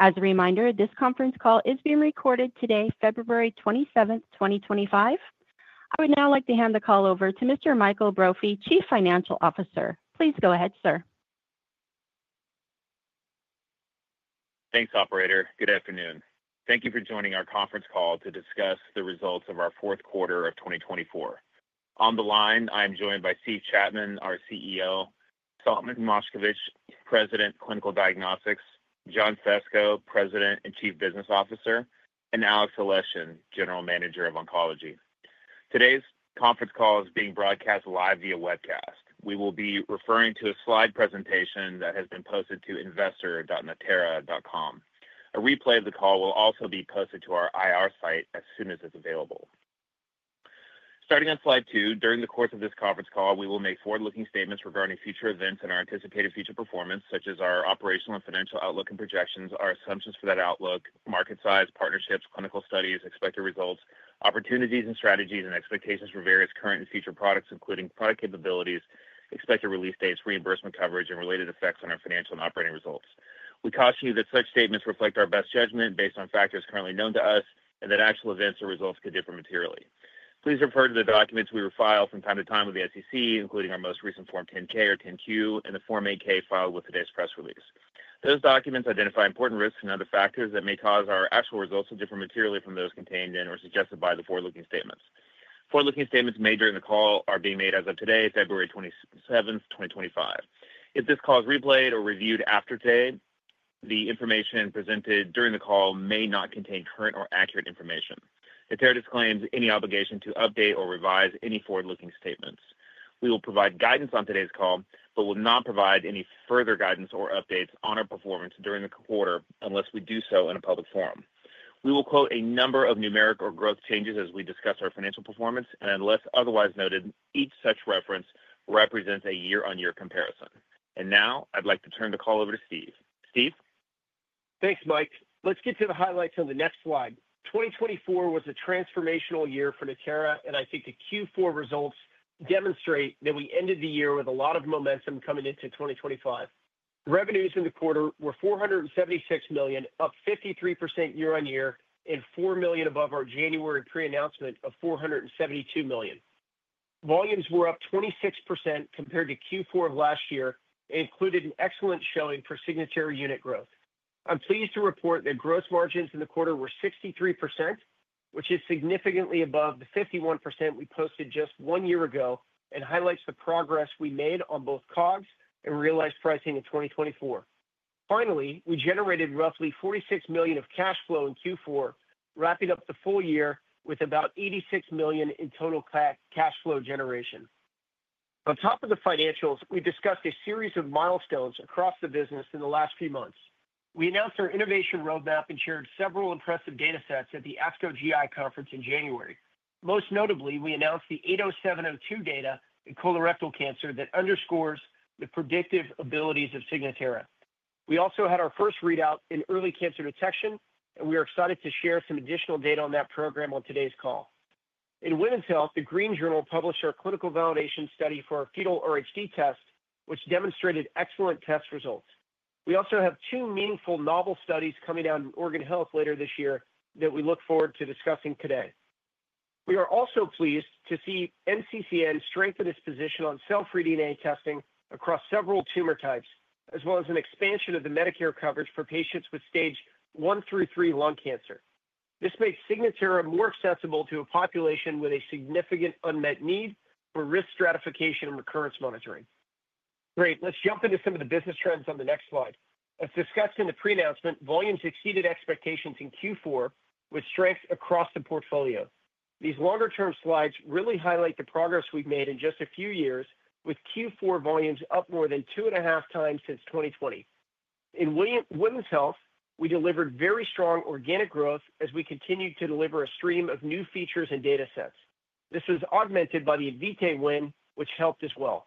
As a reminder, this conference call is being recorded today, February 27th, 2025. I would now like to hand the call over to Mr. Michael Brophy, Chief Financial Officer. Please go ahead, sir. Thanks, Operator. Good afternoon. Thank you for joining our conference call to discuss the results of our fourth quarter of 2024. On the line, I am joined by Steve Chapman, our CEO, Solomon Moshkevich, President, Clinical Diagnostics, John Fesko, President and Chief Business Officer, and Alex Aleshin, General Manager of Oncology. Today's conference call is being broadcast live via webcast. We will be referring to a slide presentation that has been posted to investor.natera.com. A replay of the call will also be posted to our IR site as soon as it's available. Starting on slide two, during the course of this conference call, we will make forward-looking statements regarding future events and our anticipated future performance, such as our operational and financial outlook and projections, our assumptions for that outlook, market size, partnerships, clinical studies, expected results, opportunities and strategies, and expectations for various current and future products, including product capabilities, expected release dates, reimbursement coverage, and related effects on our financial and operating results. We caution you that such statements reflect our best judgment based on factors currently known to us and that actual events or results could differ materially. Please refer to the documents we file from time to time with the SEC, including our most recent Form 10-K or 10-Q and the Form 8-K filed with today's press release. Those documents identify important risks and other factors that may cause our actual results to differ materially from those contained in or suggested by the forward-looking statements. Forward-looking statements made during the call are being made as of today, February 27th, 2025. If this call is replayed or reviewed after today, the information presented during the call may not contain current or accurate information. Natera disclaims any obligation to update or revise any forward-looking statements. We will provide guidance on today's call but will not provide any further guidance or updates on our performance during the quarter unless we do so in a public forum. We will quote a number of numeric or growth changes as we discuss our financial performance, and unless otherwise noted, each such reference represents a year-on-year comparison. And now, I'd like to turn the call over to Steve. Steve? Thanks, Mike. Let's get to the highlights on the next slide. 2024 was a transformational year for Natera, and I think the Q4 results demonstrate that we ended the year with a lot of momentum coming into 2025. Revenues in the quarter were $476 million, up 53% year-on-year, and $4 million above our January pre-announcement of $472 million. Volumes were up 26% compared to Q4 of last year and included an excellent showing for Signatera unit growth. I'm pleased to report that gross margins in the quarter were 63%, which is significantly above the 51% we posted just one year ago and highlights the progress we made on both COGS and realized pricing in 2024. Finally, we generated roughly $46 million of cash flow in Q4, wrapping up the full year with about $86 million in total cash flow generation. On top of the financials, we've discussed a series of milestones across the business in the last few months. We announced our innovation roadmap and shared several impressive data sets at the ASCO GI Conference in January. Most notably, we announced the 80702 data in colorectal cancer that underscores the predictive abilities of Signatera. We also had our first readout in early cancer detection, and we are excited to share some additional data on that program on today's call. In Women's Health, the Green Journal published our clinical validation study for our fetal RhD test, which demonstrated excellent test results. We also have two meaningful novel studies coming out in Organ Health later this year that we look forward to discussing today. We are also pleased to see NCCN strengthen its position on cell-free DNA testing across several tumor types, as well as an expansion of the Medicare coverage for patients with stage I through III lung cancer. This makes Signatera more accessible to a population with a significant unmet need for risk stratification and recurrence monitoring. Great. Let's jump into some of the business trends on the next slide. As discussed in the pre-announcement, volumes exceeded expectations in Q4, with strengths across the portfolio. These longer-term slides really highlight the progress we've made in just a few years, with Q4 volumes up more than two and a half times since 2020. In Women's Health, we delivered very strong organic growth as we continued to deliver a stream of new features and data sets. This was augmented by the Invitae win, which helped as well.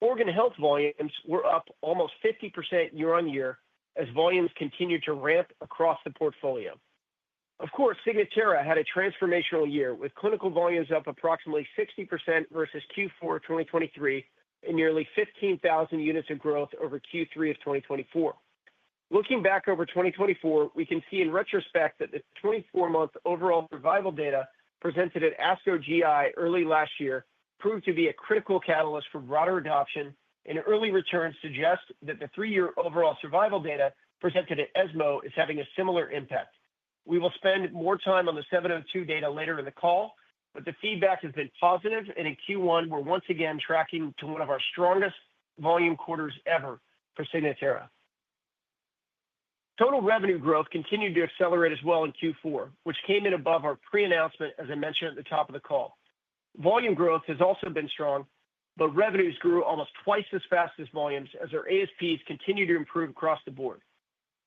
Organ Health volumes were up almost 50% year-on-year as volumes continued to ramp across the portfolio. Of course, Signatera had a transformational year with clinical volumes up approximately 60% versus Q4 of 2023 and nearly 15,000 units of growth over Q3 of 2024. Looking back over 2024, we can see in retrospect that the 24-month overall survival data presented at ASCO GI early last year proved to be a critical catalyst for broader adoption, and early returns suggest that the three-year overall survival data presented at ESMO is having a similar impact. We will spend more time on the 702 data later in the call, but the feedback has been positive, and in Q1, we're once again tracking to one of our strongest volume quarters ever for Signatera. Total revenue growth continued to accelerate as well in Q4, which came in above our pre-announcement, as I mentioned at the top of the call. Volume growth has also been strong, but revenues grew almost twice as fast as volumes as our ASPs continued to improve across the board.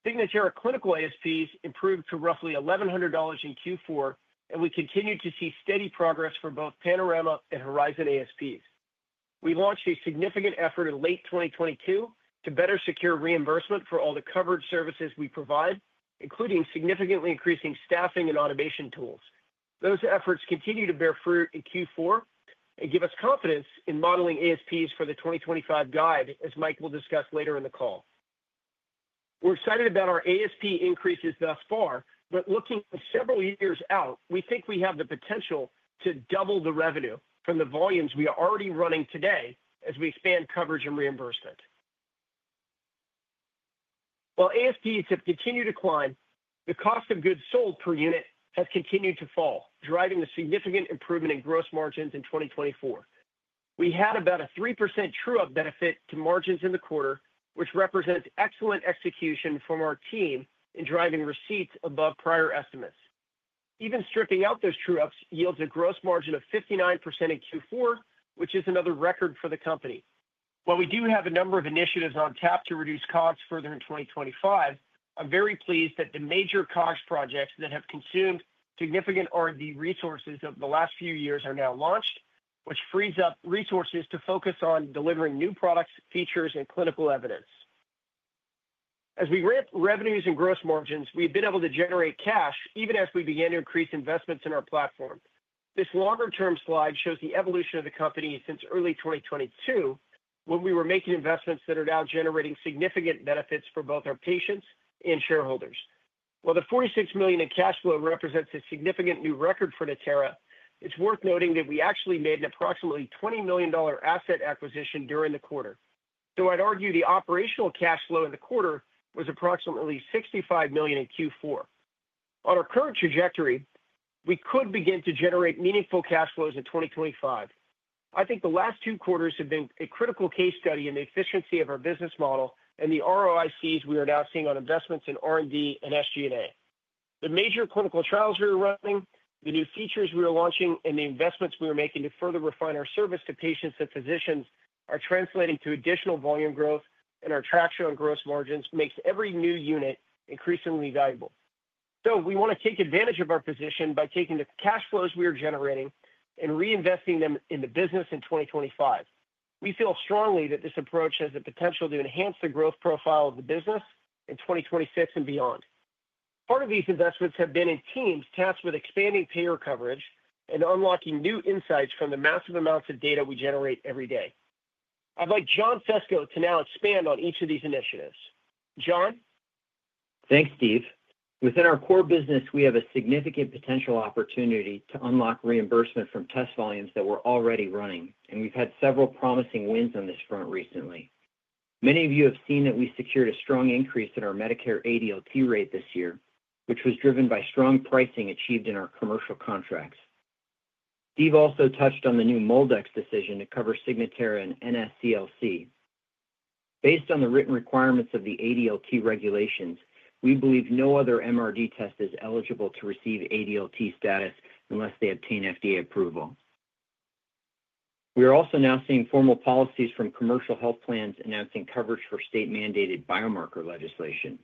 Signatera clinical ASPs improved to roughly $1,100 in Q4, and we continue to see steady progress for both Panorama and Horizon ASPs. We launched a significant effort in late 2022 to better secure reimbursement for all the coverage services we provide, including significantly increasing staffing and automation tools. Those efforts continue to bear fruit in Q4 and give us confidence in modeling ASPs for the 2025 guide, as Mike will discuss later in the call. We're excited about our ASP increases thus far, but looking several years out, we think we have the potential to double the revenue from the volumes we are already running today as we expand coverage and reimbursement. While ASPs have continued to climb, the cost of goods sold per unit has continued to fall, driving a significant improvement in gross margins in 2024. We had about a 3% true-up benefit to margins in the quarter, which represents excellent execution from our team in driving receipts above prior estimates. Even stripping out those true-ups yields a gross margin of 59% in Q4, which is another record for the company. While we do have a number of initiatives on tap to reduce costs further in 2025, I'm very pleased that the major COGS projects that have consumed significant R&D resources over the last few years are now launched, which frees up resources to focus on delivering new products, features, and clinical evidence. As we ramp revenues and gross margins, we've been able to generate cash even as we began to increase investments in our platform. This longer-term slide shows the evolution of the company since early 2022, when we were making investments that are now generating significant benefits for both our patients and shareholders. While the $46 million in cash flow represents a significant new record for Natera, it's worth noting that we actually made an approximately $20 million asset acquisition during the quarter. So I'd argue the operational cash flow in the quarter was approximately $65 million in Q4. On our current trajectory, we could begin to generate meaningful cash flows in 2025. I think the last two quarters have been a critical case study in the efficiency of our business model and the ROICs we are now seeing on investments in R&D and SG&A. The major clinical trials we were running, the new features we were launching, and the investments we were making to further refine our service to patients and physicians are translating to additional volume growth, and our traction on gross margins makes every new unit increasingly valuable. So we want to take advantage of our position by taking the cash flows we are generating and reinvesting them in the business in 2025. We feel strongly that this approach has the potential to enhance the growth profile of the business in 2026 and beyond. Part of these investments have been in teams tasked with expanding payer coverage and unlocking new insights from the massive amounts of data we generate every day. I'd like John Fesko to now expand on each of these initiatives. John? Thanks, Steve. Within our core business, we have a significant potential opportunity to unlock reimbursement from test volumes that we're already running, and we've had several promising wins on this front recently. Many of you have seen that we secured a strong increase in our Medicare ADLT rate this year, which was driven by strong pricing achieved in our commercial contracts. Steve also touched on the new MolDX decision to cover Signatera and NSCLC. Based on the written requirements of the ADLT regulations, we believe no other MRD test is eligible to receive ADLT status unless they obtain FDA approval. We are also now seeing formal policies from commercial health plans announcing coverage for state-mandated biomarker legislation.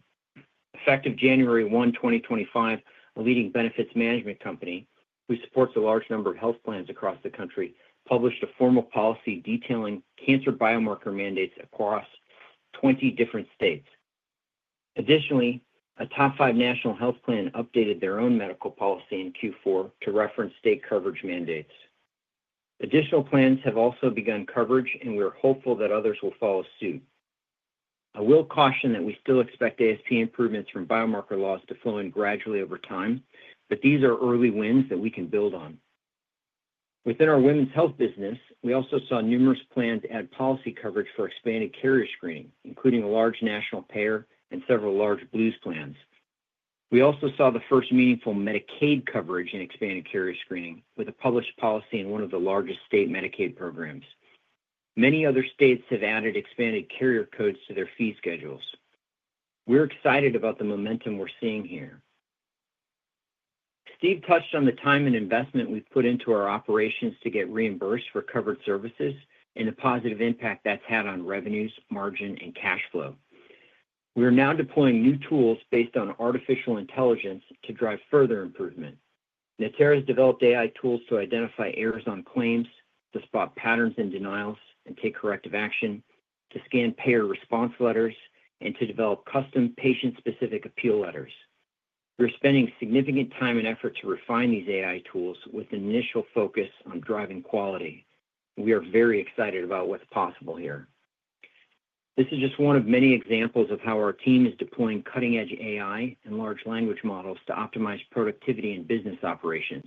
Effective January 1, 2025, a leading benefits management company, who supports a large number of health plans across the country, published a formal policy detailing cancer biomarker mandates across 20 different states. Additionally, a top five national health plan updated their own medical policy in Q4 to reference state coverage mandates. Additional plans have also begun coverage, and we are hopeful that others will follow suit. I will caution that we still expect ASP improvements from biomarker laws to flow in gradually over time, but these are early wins that we can build on. Within our women's health business, we also saw numerous plans add policy coverage for expanded carrier screening, including a large national payer and several large Blues plans. We also saw the first meaningful Medicaid coverage in expanded carrier screening, with a published policy in one of the largest state Medicaid programs. Many other states have added expanded carrier codes to their fee schedules. We're excited about the momentum we're seeing here. Steve touched on the time and investment we've put into our operations to get reimbursed for covered services and the positive impact that's had on revenues, margin, and cash flow. We are now deploying new tools based on artificial intelligence to drive further improvement. Natera has developed AI tools to identify errors on claims, to spot patterns in denials and take corrective action, to scan payer response letters, and to develop custom patient-specific appeal letters. We're spending significant time and effort to refine these AI tools with initial focus on driving quality. We are very excited about what's possible here. This is just one of many examples of how our team is deploying cutting-edge AI and large language models to optimize productivity and business operations.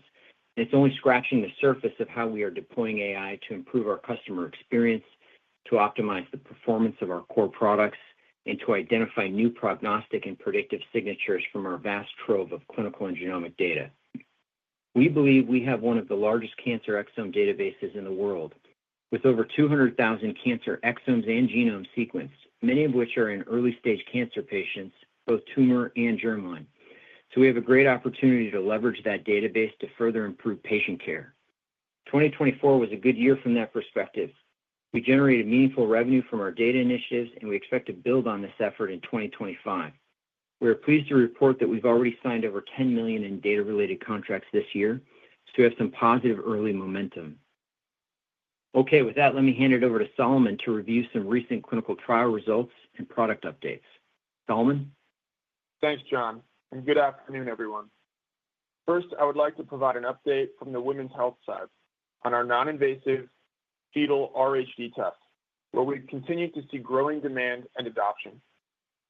It's only scratching the surface of how we are deploying AI to improve our customer experience, to optimize the performance of our core products, and to identify new prognostic and predictive signatures from our vast trove of clinical and genomic data. We believe we have one of the largest cancer exome databases in the world, with over 200,000 cancer exomes and genomes sequenced, many of which are in early-stage cancer patients, both tumor and germline. So we have a great opportunity to leverage that database to further improve patient care. 2024 was a good year from that perspective. We generated meaningful revenue from our data initiatives, and we expect to build on this effort in 2025. We are pleased to report that we've already signed over $10 million in data-related contracts this year, so we have some positive early momentum. Okay, with that, let me hand it over to Solomon to review some recent clinical trial results and product updates. Solomon? Thanks, John. Good afternoon, everyone. First, I would like to provide an update from the women's health side on our non-invasive fetal RhD test, where we've continued to see growing demand and adoption.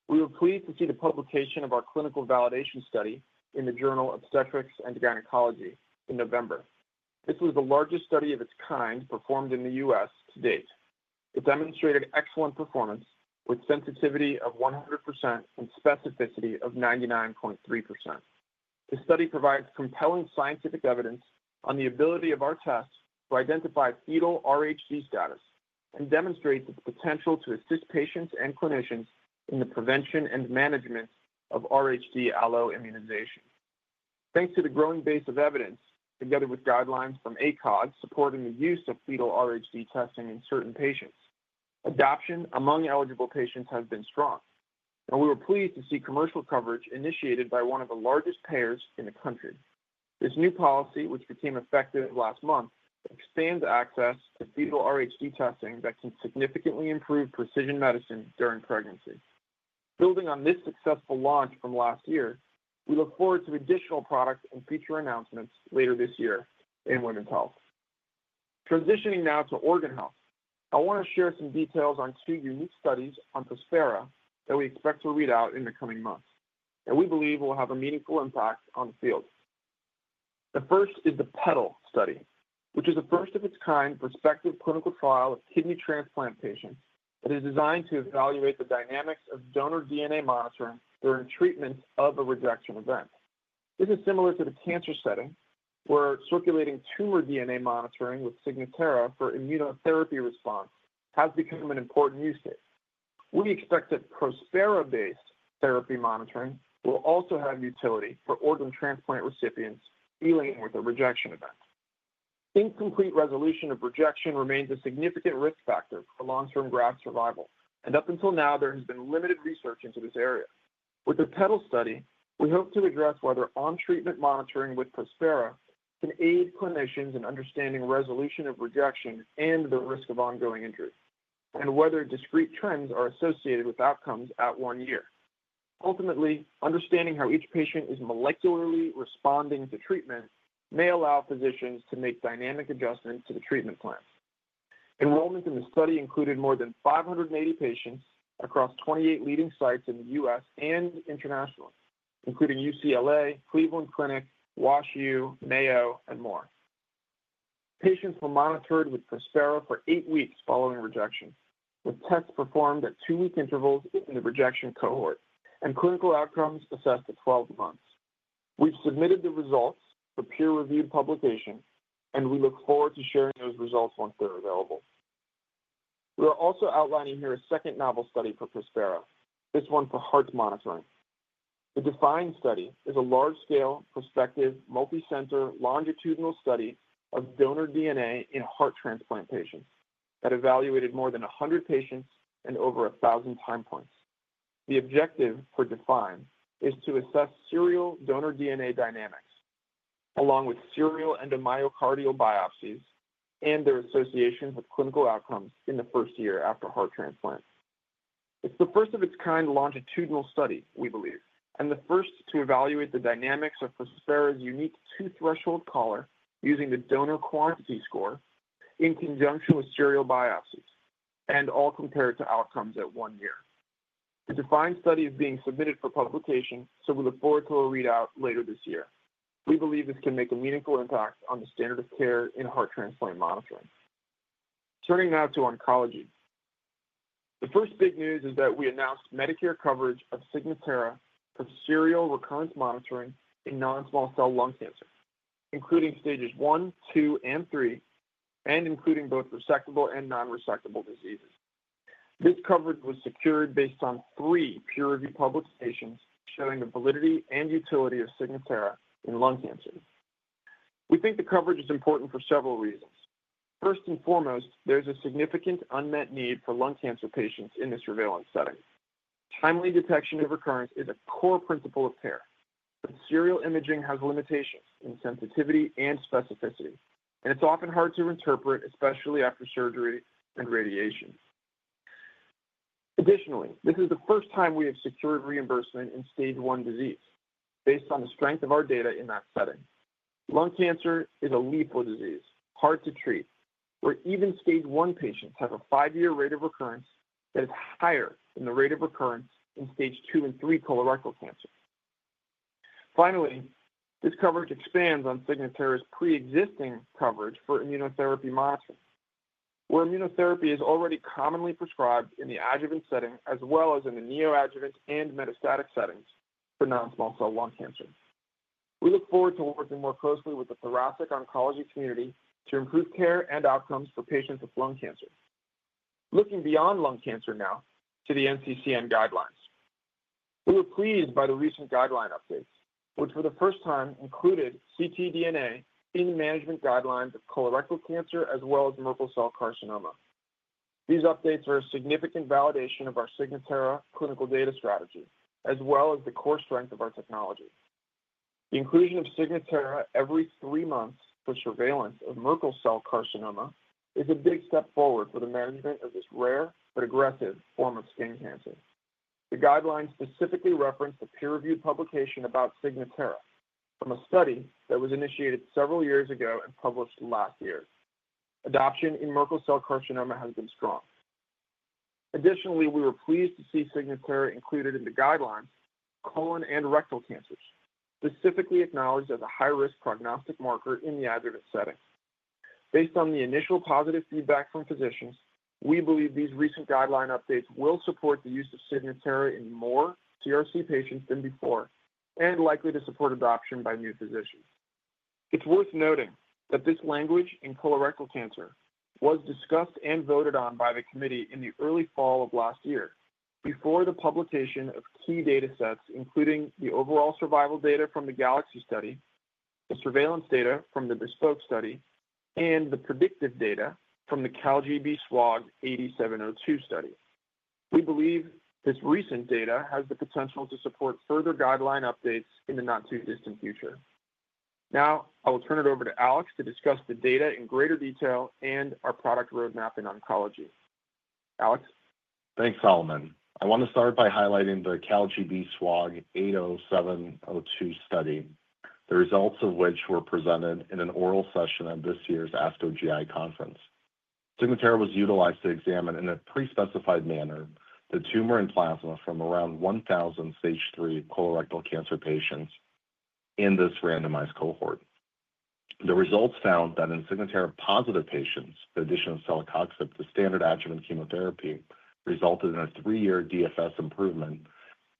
We were pleased to see the publication of our clinical validation study in the Journal of Obstetrics and Gynecology in November. This was the largest study of its kind performed in the U.S. to date. It demonstrated excellent performance with sensitivity of 100% and specificity of 99.3%. The study provides compelling scientific evidence on the ability of our test to identify fetal RhD status and demonstrates its potential to assist patients and clinicians in the prevention and management of RhD alloimmunization. Thanks to the growing base of evidence, together with guidelines from ACOG supporting the use of fetal RhD testing in certain patients, adoption among eligible patients has been strong, and we were pleased to see commercial coverage initiated by one of the largest payers in the country. This new policy, which became effective last month, expands access to fetal RhD testing that can significantly improve precision medicine during pregnancy. Building on this successful launch from last year, we look forward to additional products and feature announcements later this year in women's health. Transitioning now to Organ Health, I want to share some details on two unique studies on Prospera that we expect to read out in the coming months, and we believe will have a meaningful impact on the field. The first is the PEDAL study, which is a first-of-its-kind prospective clinical trial of kidney transplant patients that is designed to evaluate the dynamics of donor DNA monitoring during treatment of a rejection event. This is similar to the cancer setting, where circulating tumor DNA monitoring with Signatera for immunotherapy response has become an important use case. We expect that Prospera-based therapy monitoring will also have utility for organ transplant recipients dealing with a rejection event. Incomplete resolution of rejection remains a significant risk factor for long-term graft survival, and up until now, there has been limited research into this area. With the PEDAL study, we hope to address whether on-treatment monitoring with Prospera can aid clinicians in understanding resolution of rejection and the risk of ongoing injury, and whether discrete trends are associated with outcomes at one year. Ultimately, understanding how each patient is molecularly responding to treatment may allow physicians to make dynamic adjustments to the treatment plan. Enrollment in the study included more than 580 patients across 28 leading sites in the U.S. and internationally, including UCLA, Cleveland Clinic, WashU, Mayo, and more. Patients were monitored with Prospera for eight weeks following rejection, with tests performed at two-week intervals in the rejection cohort, and clinical outcomes assessed at 12 months. We've submitted the results for peer-reviewed publication, and we look forward to sharing those results once they're available. We are also outlining here a second novel study for Prospera, this one for heart monitoring. The DEFYNE study is a large-scale, prospective, multi-center longitudinal study of donor DNA in heart transplant patients that evaluated more than 100 patients and over 1,000 time points. The objective for DEFYNE is to assess serial donor DNA dynamics, along with serial endomyocardial biopsies and their associations with clinical outcomes in the first year after heart transplant. It's the first of its kind longitudinal study, we believe, and the first to evaluate the dynamics of Prospera's unique two-threshold collar using the donor quantity score in conjunction with serial biopsies and all compared to outcomes at one year. The DEFYNE study is being submitted for publication, so we look forward to a readout later this year. We believe this can make a meaningful impact on the standard of care in heart transplant monitoring. Turning now to oncology. The first big news is that we announced Medicare coverage of Signatera for serial recurrence monitoring in non-small cell lung cancer, including stages one, two, and three, and including both resectable and non-resectable diseases. This coverage was secured based on three peer-reviewed publications showing the validity and utility of Signatera in lung cancer. We think the coverage is important for several reasons. First and foremost, there's a significant unmet need for lung cancer patients in the surveillance setting. Timely detection of recurrence is a core principle of care, but serial imaging has limitations in sensitivity and specificity, and it's often hard to interpret, especially after surgery and radiation. Additionally, this is the first time we have secured reimbursement in stage one disease based on the strength of our data in that setting. Lung cancer is a lethal disease, hard to treat, where even stage one patients have a five-year rate of recurrence that is higher than the rate of recurrence in stage two and three colorectal cancer. Finally, this coverage expands on Signatera's pre-existing coverage for immunotherapy monitoring, where immunotherapy is already commonly prescribed in the adjuvant setting as well as in the neoadjuvant and metastatic settings for non-small cell lung cancer. We look forward to working more closely with the thoracic oncology community to improve care and outcomes for patients with lung cancer. Looking beyond lung cancer now to the NCCN guidelines. We were pleased by the recent guideline updates, which for the first time included ctDNA in the management guidelines of colorectal cancer as well as Merkel cell carcinoma. These updates are a significant validation of our Signatera clinical data strategy, as well as the core strength of our technology. The inclusion of Signatera every three months for surveillance of Merkel cell carcinoma is a big step forward for the management of this rare but aggressive form of skin cancer. The guidelines specifically reference the peer-reviewed publication about Signatera from a study that was initiated several years ago and published last year. Adoption in Merkel cell carcinoma has been strong. Additionally, we were pleased to see Signatera included in the guidelines for colon and rectal cancers, specifically acknowledged as a high-risk prognostic marker in the adjuvant setting. Based on the initial positive feedback from physicians, we believe these recent guideline updates will support the use of Signatera in more CRC patients than before and likely to support adoption by new physicians. It's worth noting that this language in colorectal cancer was discussed and voted on by the committee in the early fall of last year before the publication of key data sets, including the overall survival data from the GALAXY study, the surveillance data from the BESPOKE study, and the predictive data from the CALGB/SWOG 80702 study. We believe this recent data has the potential to support further guideline updates in the not-too-distant future. Now, I will turn it over to Alex to discuss the data in greater detail and our product roadmap in oncology. Alex? Thanks, Solomon. I want to start by highlighting the CALGB/SWOG 80702 study, the results of which were presented in an oral session at this year's ASCO-GI Conference. Signatera was utilized to examine in a pre-specified manner the tumor and plasma from around 1,000 stage three colorectal cancer patients in this randomized cohort. The results found that in Signatera-positive patients, the addition of celecoxib to standard adjuvant chemotherapy resulted in a three-year DFS improvement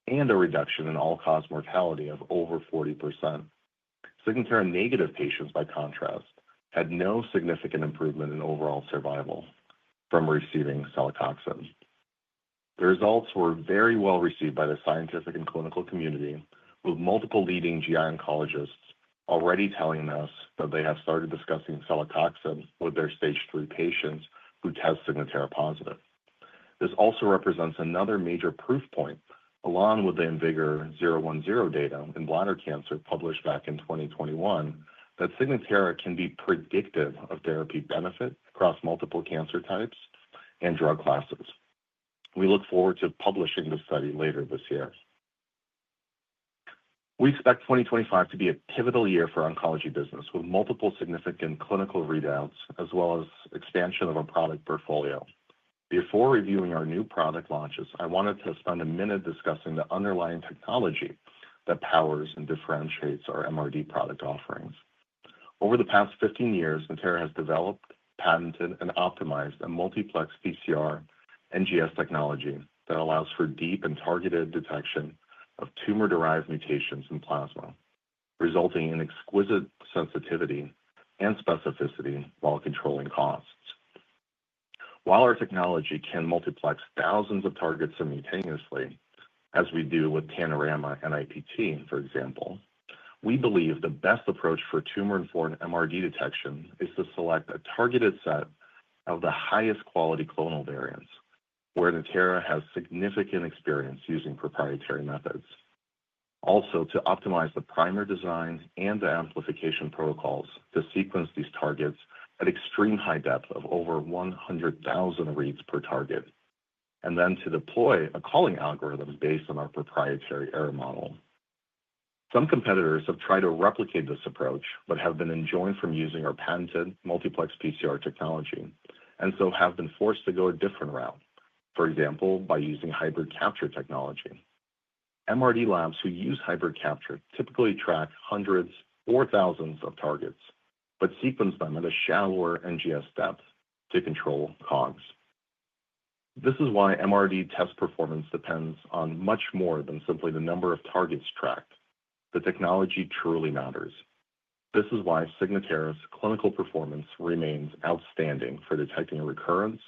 and a reduction in all-cause mortality of over 40%. Signatera-negative patients, by contrast, had no significant improvement in overall survival from receiving celecoxib. The results were very well received by the scientific and clinical community, with multiple leading GI oncologists already telling us that they have started discussing celecoxib with their stage three patients who test Signatera positive. This also represents another major proof point, along with the IMvigor010 data in bladder cancer published back in 2021, that Signatera can be predictive of therapy benefit across multiple cancer types and drug classes. We look forward to publishing the study later this year. We expect 2025 to be a pivotal year for oncology business, with multiple significant clinical readouts as well as expansion of our product portfolio. Before reviewing our new product launches, I wanted to spend a minute discussing the underlying technology that powers and differentiates our MRD product offerings. Over the past 15 years, Signatera has developed, patented, and optimized a multiplex PCR NGS technology that allows for deep and targeted detection of tumor-derived mutations in plasma, resulting in exquisite sensitivity and specificity while controlling costs. While our technology can multiplex thousands of targets simultaneously, as we do with Panorama and NIPT, for example, we believe the best approach for tumor-informed MRD detection is to select a targeted set of the highest quality clonal variants, where Signatera has significant experience using proprietary methods. Also, to optimize the primer design and the amplification protocols to sequence these targets at extreme high depth of over 100,000 reads per target, and then to deploy a calling algorithm based on our proprietary error model. Some competitors have tried to replicate this approach but have been enjoined from using our patented multiplex PCR technology, and so have been forced to go a different route, for example, by using hybrid capture technology. MRD labs who use hybrid capture typically track hundreds or thousands of targets but sequence them at a shallower NGS depth to control COGS. This is why MRD test performance depends on much more than simply the number of targets tracked. The technology truly matters. This is why Signatera's clinical performance remains outstanding for detecting recurrence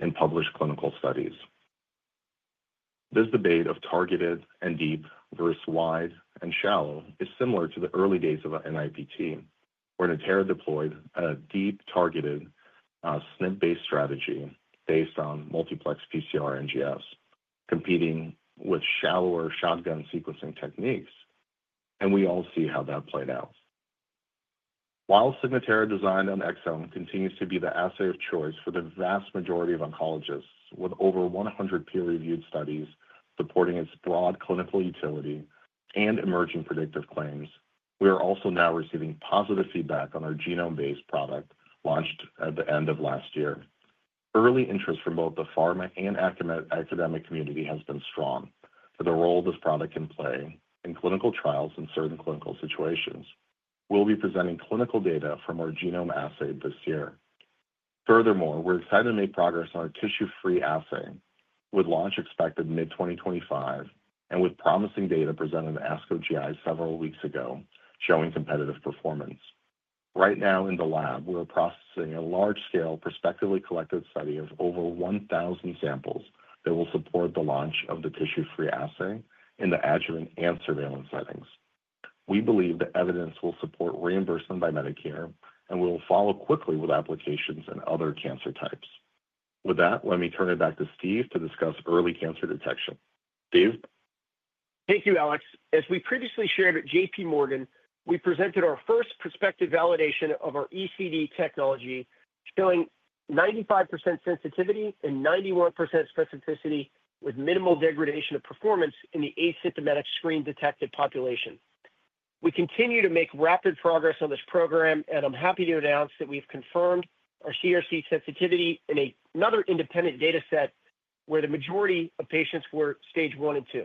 in published clinical studies. This debate of targeted and deep versus wide and shallow is similar to the early days of NIPT, where Signatera deployed a deep targeted SNP-based strategy based on multiplex PCR NGS, competing with shallower shotgun sequencing techniques, and we all see how that played out. While Signatera designed on exome continues to be the assay of choice for the vast majority of oncologists, with over 100 peer-reviewed studies supporting its broad clinical utility and emerging predictive claims, we are also now receiving positive feedback on our genome-based product launched at the end of last year. Early interest from both the pharma and academic community has been strong for the role this product can play in clinical trials in certain clinical situations. We'll be presenting clinical data from our genome assay this year. Furthermore, we're excited to make progress on our tissue-free assay, with launch expected mid-2025 and with promising data presented at ASCO GI several weeks ago showing competitive performance. Right now in the lab, we're processing a large-scale, prospectively collected study of over 1,000 samples that will support the launch of the tissue-free assay in the adjuvant and surveillance settings. We believe the evidence will support reimbursement by Medicare, and we'll follow quickly with applications in other cancer types. With that, let me turn it back to Steve to discuss early cancer detection. Steve? Thank you, Alex. As we previously shared at J.P. Morgan, we presented our first prospective validation of our ECD technology, showing 95% sensitivity and 91% specificity with minimal degradation of performance in the asymptomatic screen-detected population. We continue to make rapid progress on this program, and I'm happy to announce that we've confirmed our CRC sensitivity in another independent data set where the majority of patients were stage one and two.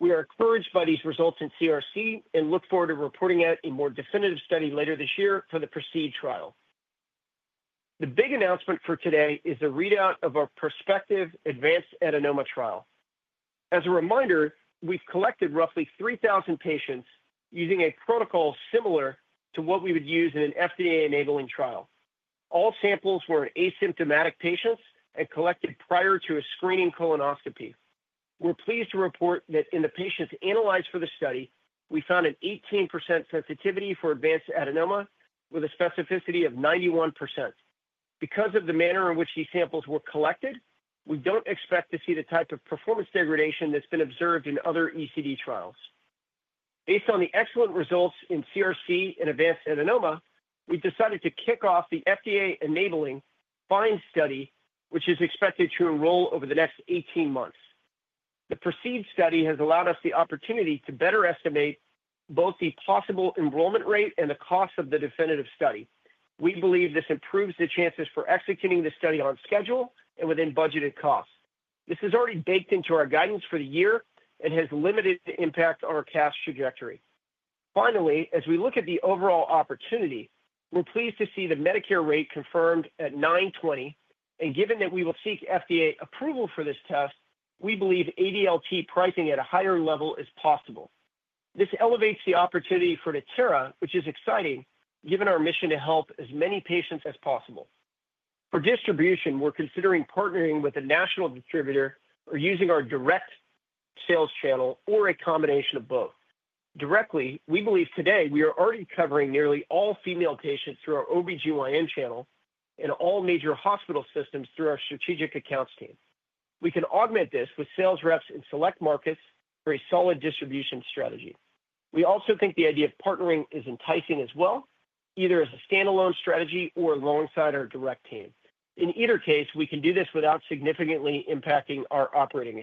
We are encouraged by these results in CRC and look forward to reporting out a more definitive study later this year for the PRECEDE trial. The big announcement for today is the readout of our prospective advanced adenoma trial. As a reminder, we've collected roughly 3,000 patients using a protocol similar to what we would use in an FDA-enabling trial. All samples were in asymptomatic patients and collected prior to a screening colonoscopy. We're pleased to report that in the patients analyzed for the study, we found an 18% sensitivity for advanced adenoma with a specificity of 91%. Because of the manner in which these samples were collected, we don't expect to see the type of performance degradation that's been observed in other ECD trials. Based on the excellent results in CRC and advanced adenoma, we've decided to kick off the FDA-enabling FIND study, which is expected to enroll over the next 18 months. The PRECEDE study has allowed us the opportunity to better estimate both the possible enrollment rate and the cost of the definitive study. We believe this improves the chances for executing the study on schedule and within budgeted costs. This has already baked into our guidance for the year and has limited the impact on our Cash trajectory. Finally, as we look at the overall opportunity, we're pleased to see the Medicare rate confirmed at $920, and given that we will seek FDA approval for this test, we believe ADLT pricing at a higher level is possible. This elevates the opportunity for Natera, which is exciting, given our mission to help as many patients as possible. For distribution, we're considering partnering with a national distributor or using our direct sales channel or a combination of both. Directly, we believe today we are already covering nearly all female patients through our OB-GYN channel and all major hospital systems through our strategic accounts team. We can augment this with sales reps in select markets for a solid distribution strategy. We also think the idea of partnering is enticing as well, either as a standalone strategy or alongside our direct team. In either case, we can do this without significantly impacting our operating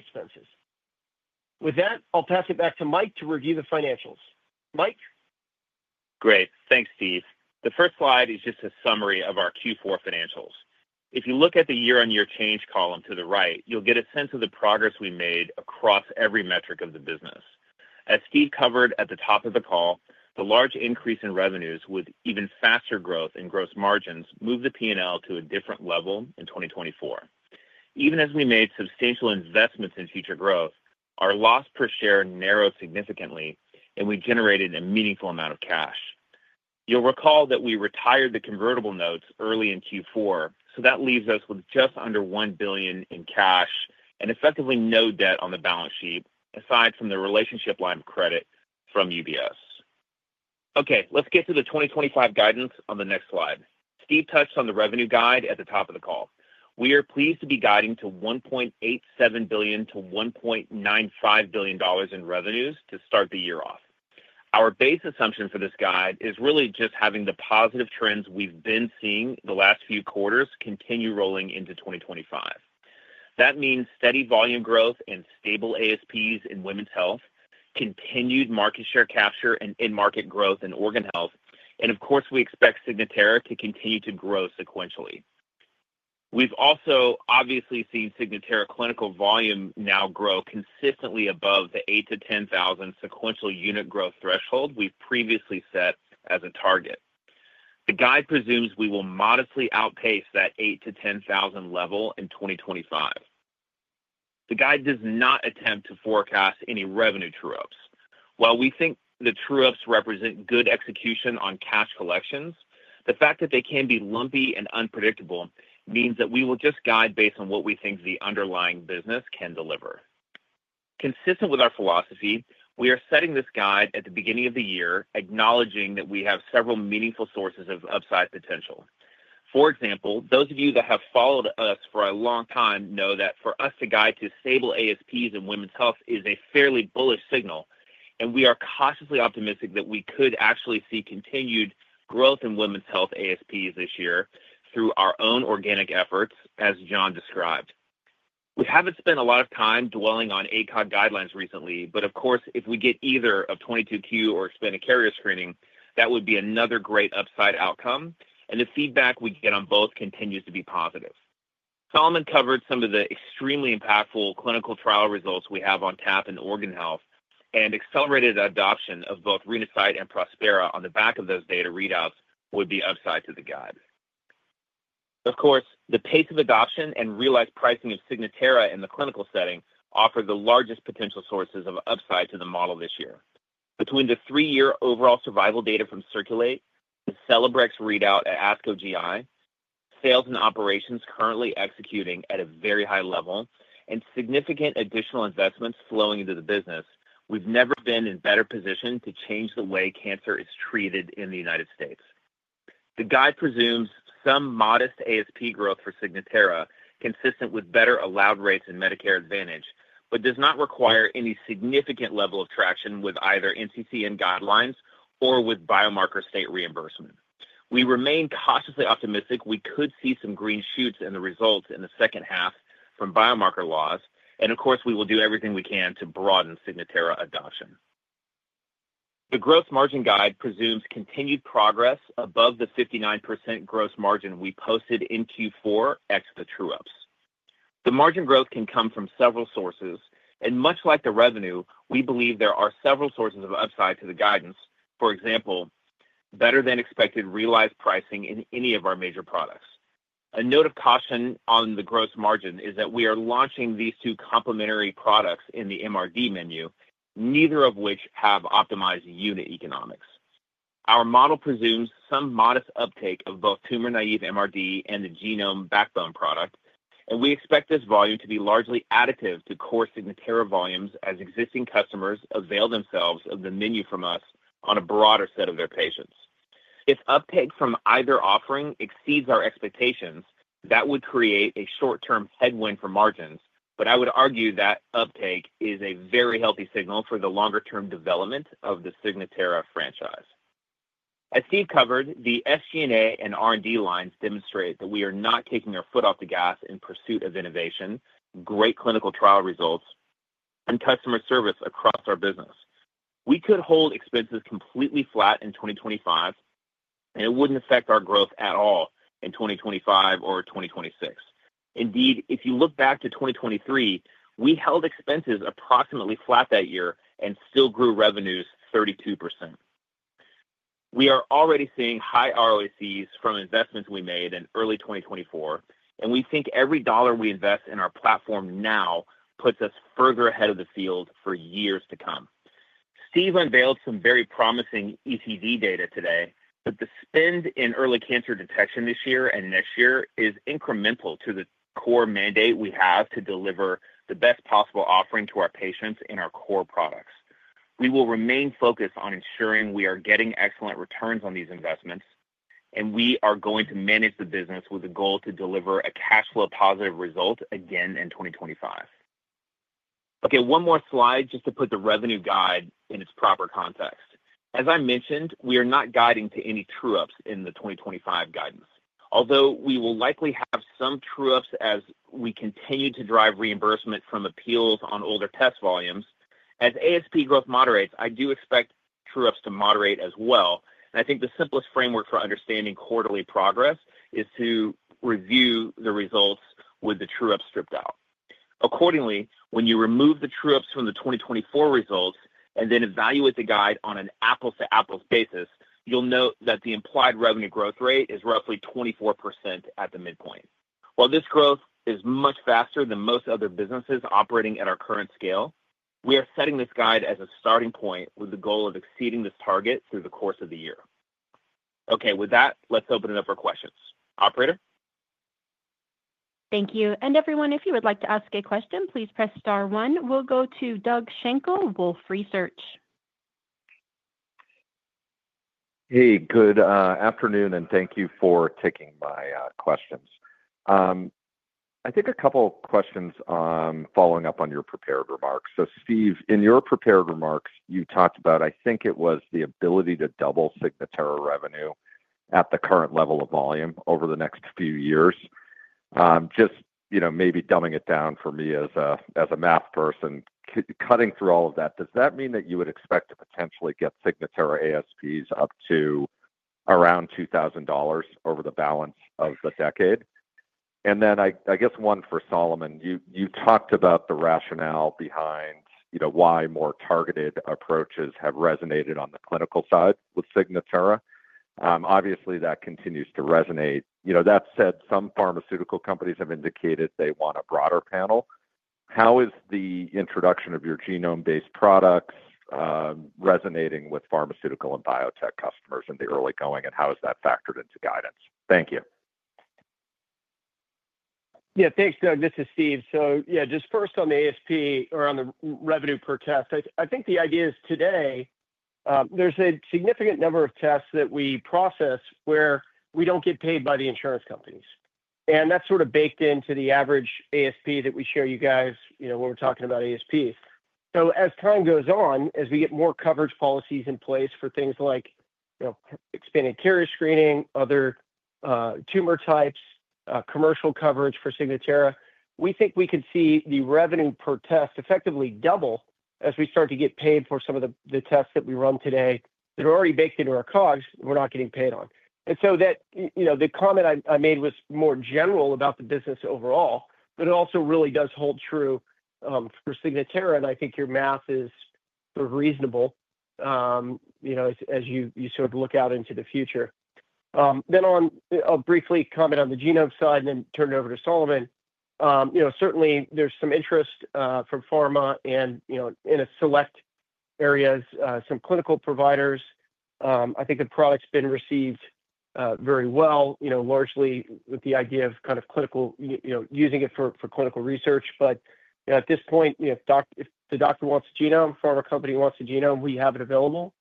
expenses. With that, I'll pass it back to Mike to review the financials. Mike. Great. Thanks, Steve. The first slide is just a summary of our Q4 financials. If you look at the year-on-year change column to the right, you'll get a sense of the progress we made across every metric of the business. As Steve covered at the top of the call, the large increase in revenues with even faster growth in gross margins moved the P&L to a different level in 2024. Even as we made substantial investments in future growth, our loss per share narrowed significantly, and we generated a meaningful amount of cash. You'll recall that we retired the convertible notes early in Q4, so that leaves us with just under $1 billion in cash and effectively no debt on the balance sheet aside from the relationship line of credit from UBS. Okay, let's get to the 2025 guidance on the next slide. Steve touched on the revenue guide at the top of the call. We are pleased to be guiding to $1.87 billion-$1.95 billion dollars in revenues to start the year off. Our base assumption for this guide is really just having the positive trends we've been seeing the last few quarters continue rolling into 2025. That means steady volume growth and stable ASPs in women's health, continued market share capture and in-market growth in Organ Health, and of course, we expect Signatera to continue to grow sequentially. We've also obviously seen Signatera clinical volume now grow consistently above the 8,000-10,000 sequential unit growth threshold we've previously set as a target. The guide presumes we will modestly outpace that 8,000-10,000 level in 2025. The guide does not attempt to forecast any revenue true-ups. While we think the true-ups represent good execution on cash collections, the fact that they can be lumpy and unpredictable means that we will just guide based on what we think the underlying business can deliver. Consistent with our philosophy, we are setting this guide at the beginning of the year, acknowledging that we have several meaningful sources of upside potential. For example, those of you that have followed us for a long time know that for us to guide to stable ASPs in women's health is a fairly bullish signal, and we are cautiously optimistic that we could actually see continued growth in women's health ASPs this year through our own organic efforts, as John described. We haven't spent a lot of time dwelling on ACOG guidelines recently, but of course, if we get either of 22q or expanded carrier screening, that would be another great upside outcome, and the feedback we get on both continues to be positive. Solomon covered some of the extremely impactful clinical trial results we have on TAP in Organ Health, and accelerated adoption of both Renasight and Prospera on the back of those data readouts would be upside to the guide. Of course, the pace of adoption and realized pricing of Signatera in the clinical setting offer the largest potential sources of upside to the model this year. Between the three-year overall survival data from Circulate, the Celebrex readout at ASCO-GI, sales and operations currently executing at a very high level, and significant additional investments flowing into the business, we've never been in better position to change the way cancer is treated in the United States. The guide presumes some modest ASP growth for Signatera consistent with better allowed rates and Medicare Advantage, but does not require any significant level of traction with either NCCN guidelines or with biomarker state reimbursement. We remain cautiously optimistic we could see some green shoots in the results in the second half from biomarker laws, and of course, we will do everything we can to broaden Signatera adoption. The gross margin guide presumes continued progress above the 59% gross margin we posted in Q4 ex the true-ups. The margin growth can come from several sources, and much like the revenue, we believe there are several sources of upside to the guidance, for example, better-than-expected realized pricing in any of our major products. A note of caution on the gross margin is that we are launching these two complementary products in the MRD menu, neither of which have optimized unit economics. Our model presumes some modest uptake of both tumor-naive MRD and the genome backbone product, and we expect this volume to be largely additive to core Signatera volumes as existing customers avail themselves of the menu from us on a broader set of their patients. If uptake from either offering exceeds our expectations, that would create a short-term headwind for margins, but I would argue that uptake is a very healthy signal for the longer-term development of the Signatera franchise. As Steve covered, the SG&A and R&D lines demonstrate that we are not taking our foot off the gas in pursuit of innovation, great clinical trial results, and customer service across our business. We could hold expenses completely flat in 2025, and it wouldn't affect our growth at all in 2025 or 2026. Indeed, if you look back to 2023, we held expenses approximately flat that year and still grew revenues 32%. We are already seeing high ROICs from investments we made in early 2024, and we think every dollar we invest in our platform now puts us further ahead of the field for years to come. Steve unveiled some very promising ECD data today, but the spend in early cancer detection this year and next year is incremental to the core mandate we have to deliver the best possible offering to our patients in our core products. We will remain focused on ensuring we are getting excellent returns on these investments, and we are going to manage the business with the goal to deliver a cash flow positive result again in 2025. Okay, one more slide just to put the revenue guide in its proper context. As I mentioned, we are not guiding to any true-ups in the 2025 guidance. Although we will likely have some true-ups as we continue to drive reimbursement from appeals on older test volumes, as ASP growth moderates, I do expect true-ups to moderate as well, and I think the simplest framework for understanding quarterly progress is to review the results with the true-ups stripped out. Accordingly, when you remove the true-ups from the 2024 results and then evaluate the guide on an apples-to-apples basis, you'll note that the implied revenue growth rate is roughly 24% at the midpoint. While this growth is much faster than most other businesses operating at our current scale, we are setting this guide as a starting point with the goal of exceeding this target through the course of the year. Okay, with that, let's open it up for questions. Operator? Thank you, and everyone, if you would like to ask a question, please press star one. We'll go to Doug Schenkel, Wolfe Research. Hey, good afternoon, and thank you for taking my questions. I think a couple of questions following up on your prepared remarks. So Steve, in your prepared remarks, you talked about, I think it was the ability to double Signatera revenue at the current level of volume over the next few years. Just maybe dumbing it down for me as a math person, cutting through all of that, does that mean that you would expect to potentially get Signatera ASPs up to around $2,000 over the balance of the decade? And then I guess one for Solomon, you talked about the rationale behind why more targeted approaches have resonated on the clinical side with Signatera. Obviously, that continues to resonate. That said, some pharmaceutical companies have indicated they want a broader panel. How is the introduction of your genome-based products resonating with pharmaceutical and biotech customers in the early going, and how is that factored into guidance? Thank you. Yeah, thanks, Doug. This is Steve. So yeah, just first on the ASP or on the revenue per test, I think the idea is today there's a significant number of tests that we process where we don't get paid by the insurance companies. And that's sort of baked into the average ASP that we show you guys when we're talking about ASPs. So as time goes on, as we get more coverage policies in place for things like expanded carrier screening, other tumor types, commercial coverage for Signatera, we think we can see the revenue per test effectively double as we start to get paid for some of the tests that we run today that are already baked into our COGS we're not getting paid on. And so the comment I made was more general about the business overall, but it also really does hold true for Signatera, and I think your math is reasonable as you sort of look out into the future. Then I'll briefly comment on the genome side and then turn it over to Solomon. Certainly, there's some interest from pharma and in select areas, some clinical providers. I think the product's been received very well, largely with the idea of kind of using it for clinical research, but at this point, if the doctor wants a genome, pharma company wants a genome, we have it available,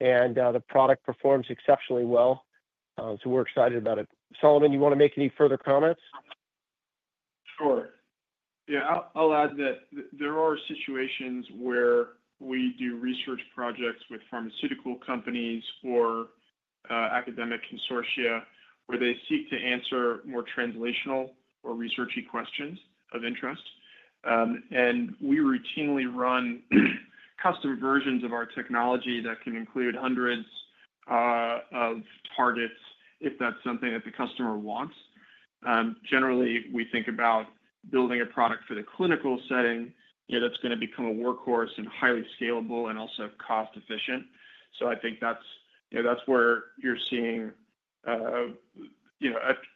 and the product performs exceptionally well. So we're excited about it. Solomon, you want to make any further comments? Sure. Yeah, I'll add that there are situations where we do research projects with pharmaceutical companies or academic consortia where they seek to answer more translational or researchy questions of interest. And we routinely run custom versions of our technology that can include hundreds of targets if that's something that the customer wants. Generally, we think about building a product for the clinical setting that's going to become a workhorse and highly scalable and also cost-efficient. So I think that's where you're seeing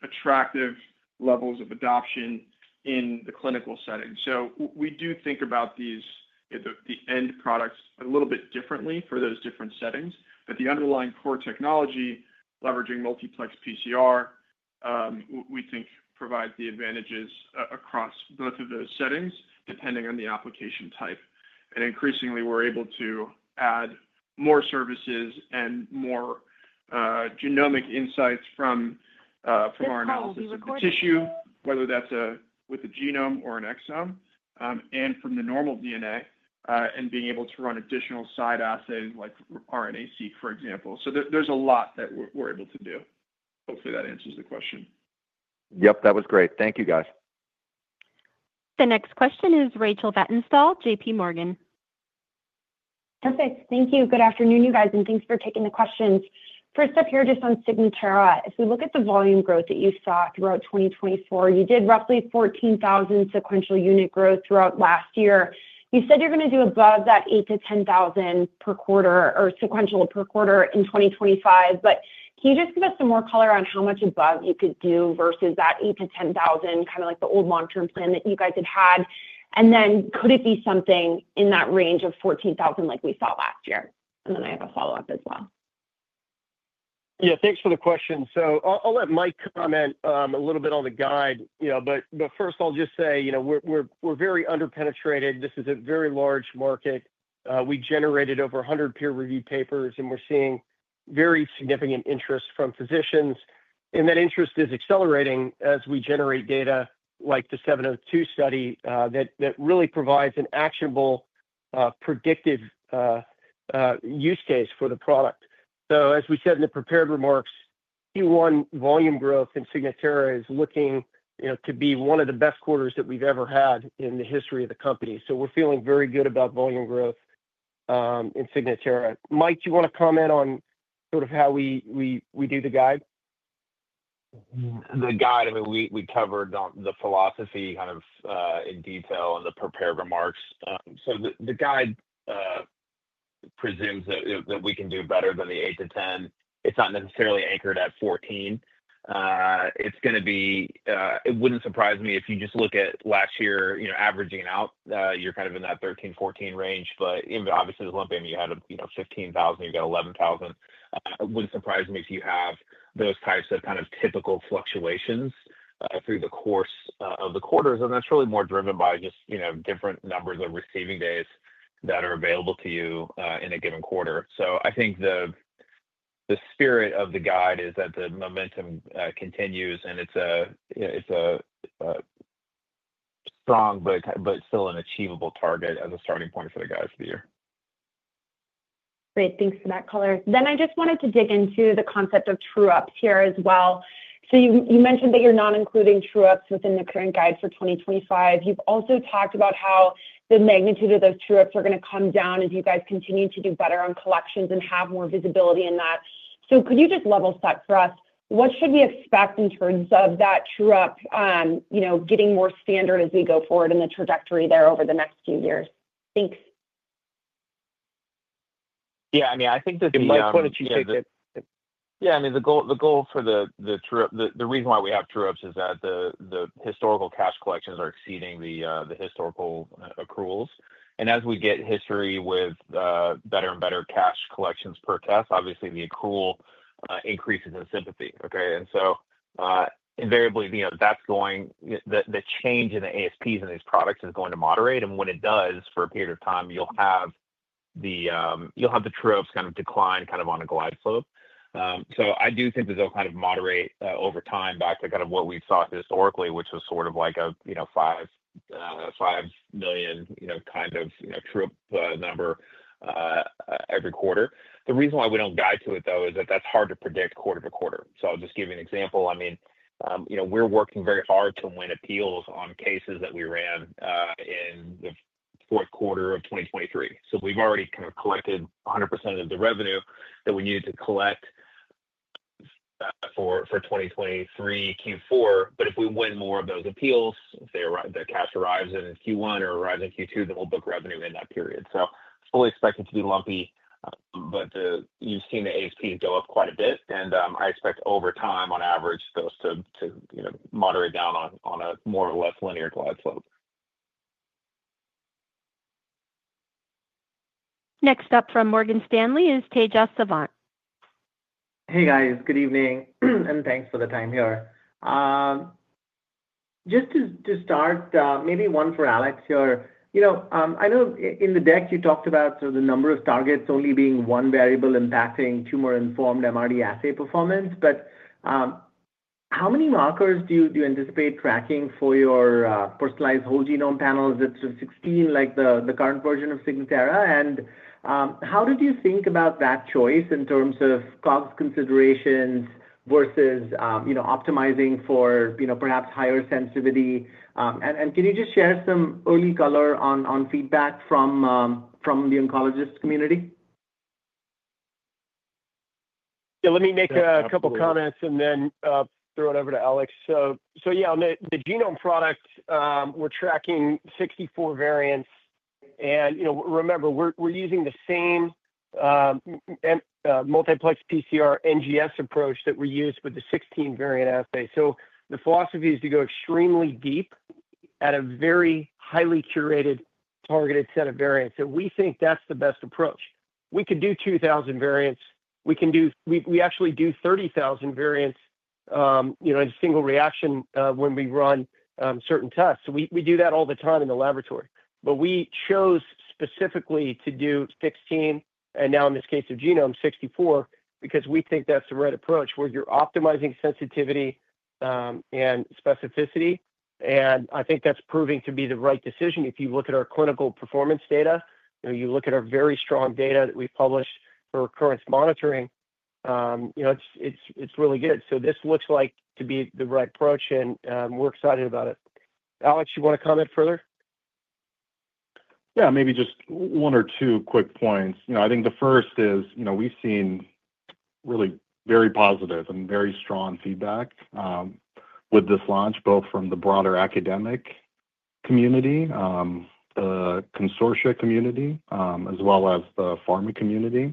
attractive levels of adoption in the clinical setting. So we do think about the end products a little bit differently for those different settings, but the underlying core technology, leveraging multiplex PCR, we think provides the advantages across both of those settings depending on the application type. Increasingly, we're able to add more services and more genomic insights from our analysis of tissue, whether that's with a genome or an exome, and from the normal DNA and being able to run additional side assays like RNA-seq, for example. There's a lot that we're able to do. Hopefully, that answers the question. Yep, that was great. Thank you, guys. The next question is Rachel Vatnsdal, J.P. Morgan. Perfect. Thank you. Good afternoon, you guys, and thanks for taking the questions. First up here, just on Signatera, if we look at the volume growth that you saw throughout 2024, you did roughly 14,000 sequential unit growth throughout last year. You said you're going to do above that 8-10,000 per quarter or sequential per quarter in 2025, but can you just give us some more color on how much above you could do versus that 8-10,000, kind of like the old long-term plan that you guys had had? And then could it be something in that range of 14,000 like we saw last year? And then I have a follow-up as well. Yeah, thanks for the question. So I'll let Mike comment a little bit on the guide, but first, I'll just say we're very underpenetrated. This is a very large market. We generated over 100 peer-reviewed papers, and we're seeing very significant interest from physicians. And that interest is accelerating as we generate data like the 80702 study that really provides an actionable, predictive use case for the product. So as we said in the prepared remarks, Q1 volume growth in Signatera is looking to be one of the best quarters that we've ever had in the history of the company. So we're feeling very good about volume growth in Signatera. Mike, do you want to comment on sort of how we do the guide? The guide, I mean, we covered the philosophy kind of in detail in the prepared remarks, so the guide presumes that we can do better than the 8-10. It's not necessarily anchored at 14. It's going to be, it wouldn't surprise me if you just look at last year averaging out, you're kind of in that 13-14 range, but obviously, the outlier, you had 15,000, you got 11,000. It wouldn't surprise me if you have those types of kind of typical fluctuations through the course of the quarters, and that's really more driven by just different numbers of receiving days that are available to you in a given quarter. So I think the spirit of the guide is that the momentum continues, and it's a strong, but still an achievable target as a starting point for the guide for the year. Great. Thanks for that, color. Then I just wanted to dig into the concept of true-ups here as well. So you mentioned that you're not including true-ups within the current guide for 2025. You've also talked about how the magnitude of those true-ups are going to come down as you guys continue to do better on collections and have more visibility in that. So could you just level set for us? What should we expect in terms of that true-up getting more standard as we go forward in the trajectory there over the next few years? Thanks. Yeah, I mean, I think that the. In my point of view, I think that. Yeah, I mean, the goal for the true-up, the reason why we have true-ups is that the historical cash collections are exceeding the historical accruals. And as we get history with better and better cash collections per test, obviously, the accrual increases in sympathy, okay? And so invariably, that's going to. The change in the ASPs in these products is going to moderate. And when it does, for a period of time, you'll have the true-ups kind of decline kind of on a glide slope. So I do think that they'll kind of moderate over time back to kind of what we've sought historically, which was sort of like a $5 million kind of true-up number every quarter. The reason why we don't guide to it, though, is that that's hard to predict quarter to quarter. So I'll just give you an example. I mean, we're working very hard to win appeals on cases that we ran in the fourth quarter of 2023. So we've already kind of collected 100% of the revenue that we needed to collect for 2023 Q4. But if we win more of those appeals, if the cash arrives in Q1 or arrives in Q2, then we'll book revenue in that period. So it's fully expected to be lumpy, but you've seen the ASPs go up quite a bit, and I expect over time, on average, those to moderate down on a more or less linear glide slope. Next up from Morgan Stanley is Tejas Savant. Hey, guys. Good evening, and thanks for the time here. Just to start, maybe one for Alex here. I know in the deck, you talked about the number of targets only being one variable impacting tumor-informed MRD assay performance, but how many markers do you anticipate tracking for your personalized whole genome panels? Is it 16, like the current version of Signatera? And how did you think about that choice in terms of COGS considerations versus optimizing for perhaps higher sensitivity? And can you just share some early color on feedback from the oncologist community? Yeah, let me make a couple of comments and then throw it over to Alex. So yeah, on the genome product, we're tracking 64 variants. And remember, we're using the same multiplex PCR NGS approach that we used with the 16-variant assay. So the philosophy is to go extremely deep at a very highly curated targeted set of variants. And we think that's the best approach. We could do 2,000 variants. We actually do 30,000 variants in a single reaction when we run certain tests. So we do that all the time in the laboratory. But we chose specifically to do 16, and now in this case of genome, 64, because we think that's the right approach where you're optimizing sensitivity and specificity. And I think that's proving to be the right decision. If you look at our clinical performance data, you look at our very strong data that we published for recurrence monitoring, it's really good. So this looks like to be the right approach, and we're excited about it. Alex, you want to comment further? Yeah, maybe just one or two quick points. I think the first is we've seen really very positive and very strong feedback with this launch, both from the broader academic community, the consortia community, as well as the pharma community.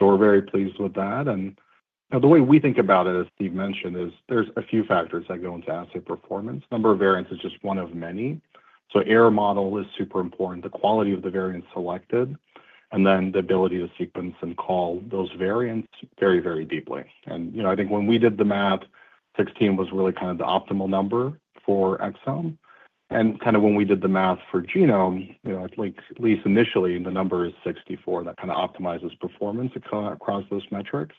So we're very pleased with that. And the way we think about it, as Steve mentioned, is there's a few factors that go into assay performance. Number of variants is just one of many. So error model is super important, the quality of the variants selected, and then the ability to sequence and call those variants very, very deeply. And I think when we did the math, 16 was really kind of the optimal number for exome. And kind of when we did the math for genome, at least initially, the number is 64 that kind of optimizes performance across those metrics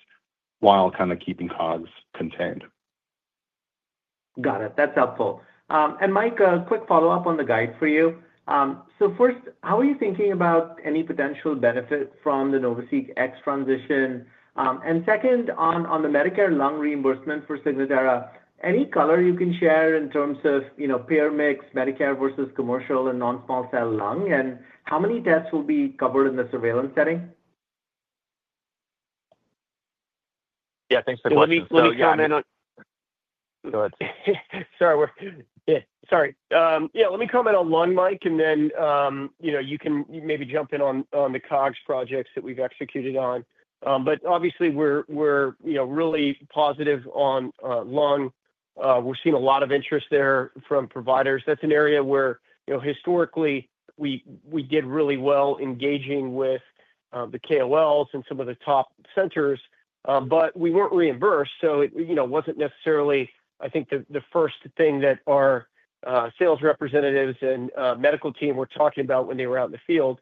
while kind of keeping COGS contained. Got it. That's helpful. And Mike, a quick follow-up on the guide for you. So first, how are you thinking about any potential benefit from the NovaSeq X transition? And second, on the Medicare lung reimbursement for Signatera, any color you can share in terms of payer mix, Medicare versus commercial and non-small cell lung? And how many tests will be covered in the surveillance setting? Yeah, thanks for that. Let me comment on. Go ahead. Sorry. Yeah, sorry. Yeah, let me comment on lung, Mike, and then you can maybe jump in on the COGS projects that we've executed on. But obviously, we're really positive on lung. We've seen a lot of interest there from providers. That's an area where historically, we did really well engaging with the KOLs and some of the top centers, but we weren't reimbursed. So it wasn't necessarily, I think, the first thing that our sales representatives and medical team were talking about when they were out in the field.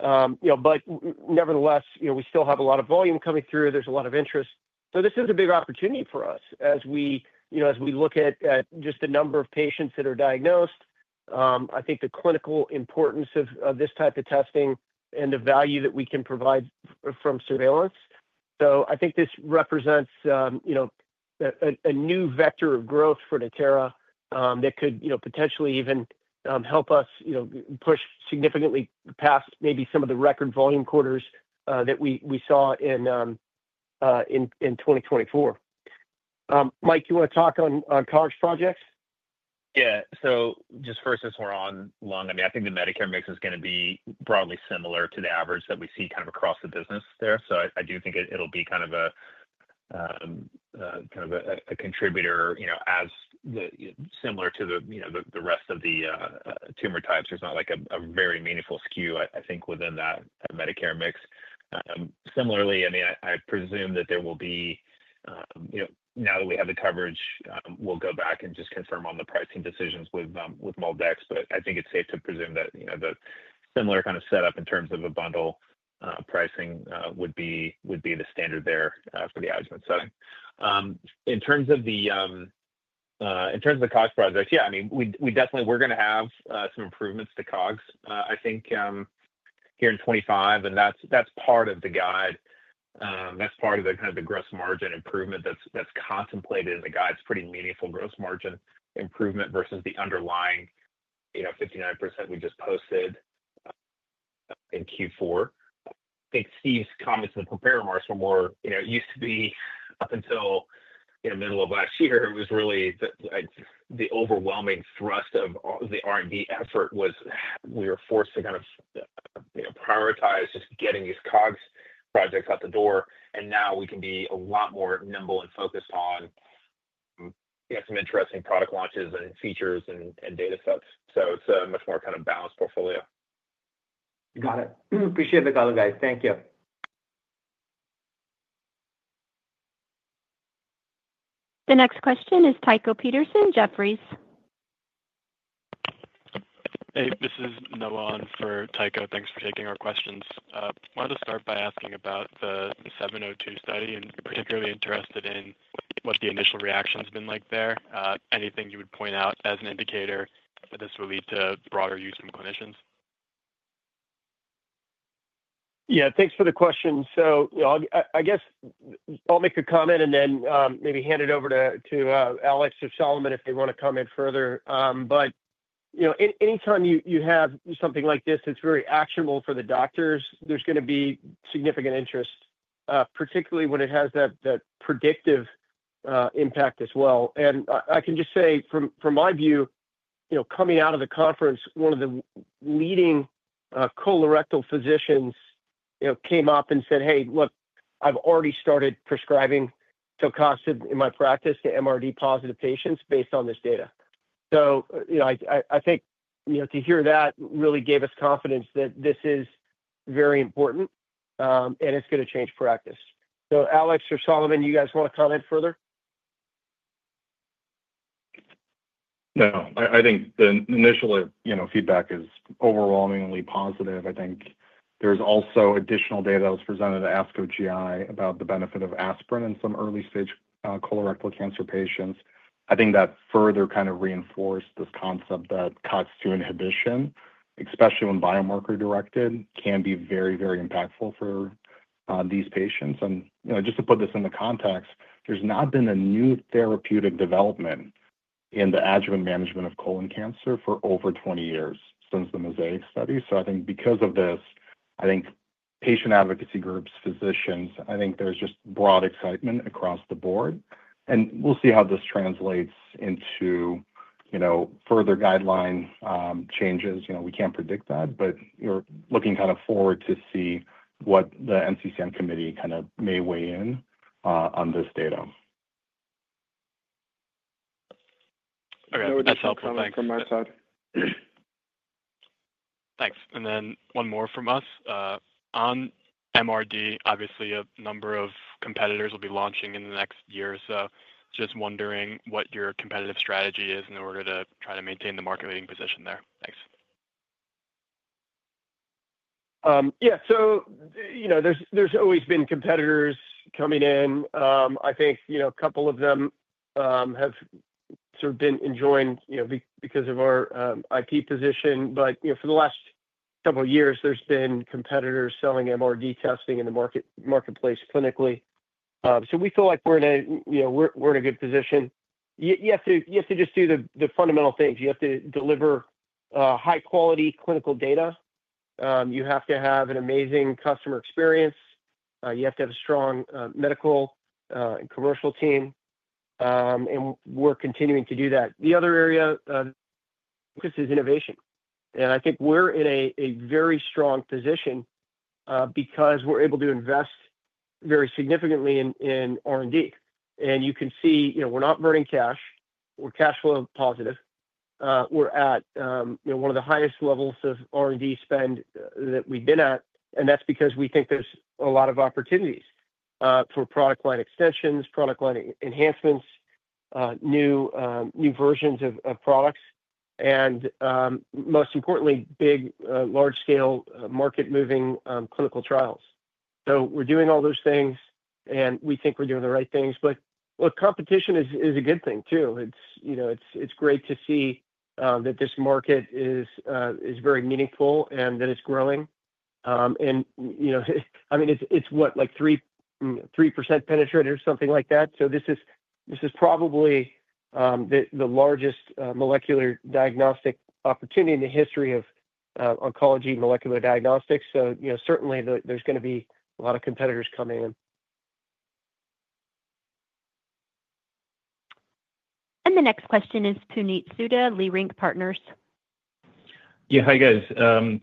But nevertheless, we still have a lot of volume coming through. There's a lot of interest. So this is a big opportunity for us as we look at just the number of patients that are diagnosed. I think the clinical importance of this type of testing and the value that we can provide from surveillance. So I think this represents a new vector of growth for Natera that could potentially even help us push significantly past maybe some of the record volume quarters that we saw in 2024. Mike, do you want to talk on COGS prospects? Yeah, so just first, since we're on lung, I mean, I think the Medicare mix is going to be broadly similar to the average that we see kind of across the business there, so I do think it'll be kind of a contributor as similar to the rest of the tumor types. There's not a very meaningful skew, I think, within that Medicare mix. Similarly, I mean, I presume that there will be now that we have the coverage, we'll go back and just confirm on the pricing decisions with MolDX. But I think it's safe to presume that the similar kind of setup in terms of a bundle pricing would be the standard there for the adjuvant setting. In terms of the COGS project, yeah, I mean, we're going to have some improvements to COGS, I think, here in 2025, and that's part of the guide. That's part of the kind of gross margin improvement that's contemplated in the guide. It's pretty meaningful gross margin improvement versus the underlying 59% we just posted in Q4. I think Steve's comments in the prepared remarks were more it used to be up until the middle of last year. It was really the overwhelming thrust of the R&D effort was we were forced to kind of prioritize just getting these COGS projects out the door, and now we can be a lot more nimble and focused on some interesting product launches and features and data sets, so it's a much more kind of balanced portfolio. Got it. Appreciate the color, guys. Thank you. The next question is Tycho Peterson, Jefferies. Hey, this is Noah Ong for Tycho. Thanks for taking our questions. I wanted to start by asking about the 80702 study and particularly interested in what the initial reaction has been like there. Anything you would point out as an indicator that this will lead to broader use from clinicians? Yeah, thanks for the question. So I guess I'll make a comment and then maybe hand it over to Alex or Solomon if they want to comment further. But anytime you have something like this that's very actionable for the doctors, there's going to be significant interest, particularly when it has that predictive impact as well. And I can just say, from my view, coming out of the conference, one of the leading colorectal physicians came up and said, "Hey, look, I've already started prescribing Signatera in my practice to MRD-positive patients based on this data." So I think to hear that really gave us confidence that this is very important and it's going to change practice. So Alex or Solomon, you guys want to comment further? No. I think the initial feedback is overwhelmingly positive. I think there's also additional data that was presented to ASCO GI about the benefit of aspirin in some early-stage colorectal cancer patients. I think that further kind of reinforced this concept that COX-2 inhibition, especially when biomarker-directed, can be very, very impactful for these patients. And just to put this into context, there's not been a new therapeutic development in the adjuvant management of colon cancer for over 20 years since the MOSAIC study. So I think because of this, I think patient advocacy groups, physicians, I think there's just broad excitement across the board. And we'll see how this translates into further guideline changes. We can't predict that, but we're looking kind of forward to see what the NCCN committee kind of may weigh in on this data. Okay. That's helpful. Thanks from my side. Thanks. And then one more from us. On MRD, obviously, a number of competitors will be launching in the next year. So just wondering what your competitive strategy is in order to try to maintain the market-leading position there? Thanks. Yeah. So there's always been competitors coming in. I think a couple of them have sort of been enjoined because of our IP position. But for the last couple of years, there's been competitors selling MRD testing in the marketplace clinically. So we feel like we're in a good position. You have to just do the fundamental things. You have to deliver high-quality clinical data. You have to have an amazing customer experience. You have to have a strong medical and commercial team. And we're continuing to do that. The other area of focus is innovation. And I think we're in a very strong position because we're able to invest very significantly in R&D. And you can see we're not burning cash. We're cash flow positive. We're at one of the highest levels of R&D spend that we've been at. And that's because we think there's a lot of opportunities for product line extensions, product line enhancements, new versions of products, and most importantly, large-scale market-moving clinical trials. So we're doing all those things, and we think we're doing the right things. But competition is a good thing too. It's great to see that this market is very meaningful and that it's growing. And I mean, it's what, like 3% penetrated, something like that. So this is probably the largest molecular diagnostic opportunity in the history of oncology molecular diagnostics. So certainly, there's going to be a lot of competitors coming in. The next question is to Puneet Souda, Leerink Partners. Yeah. Hi, guys.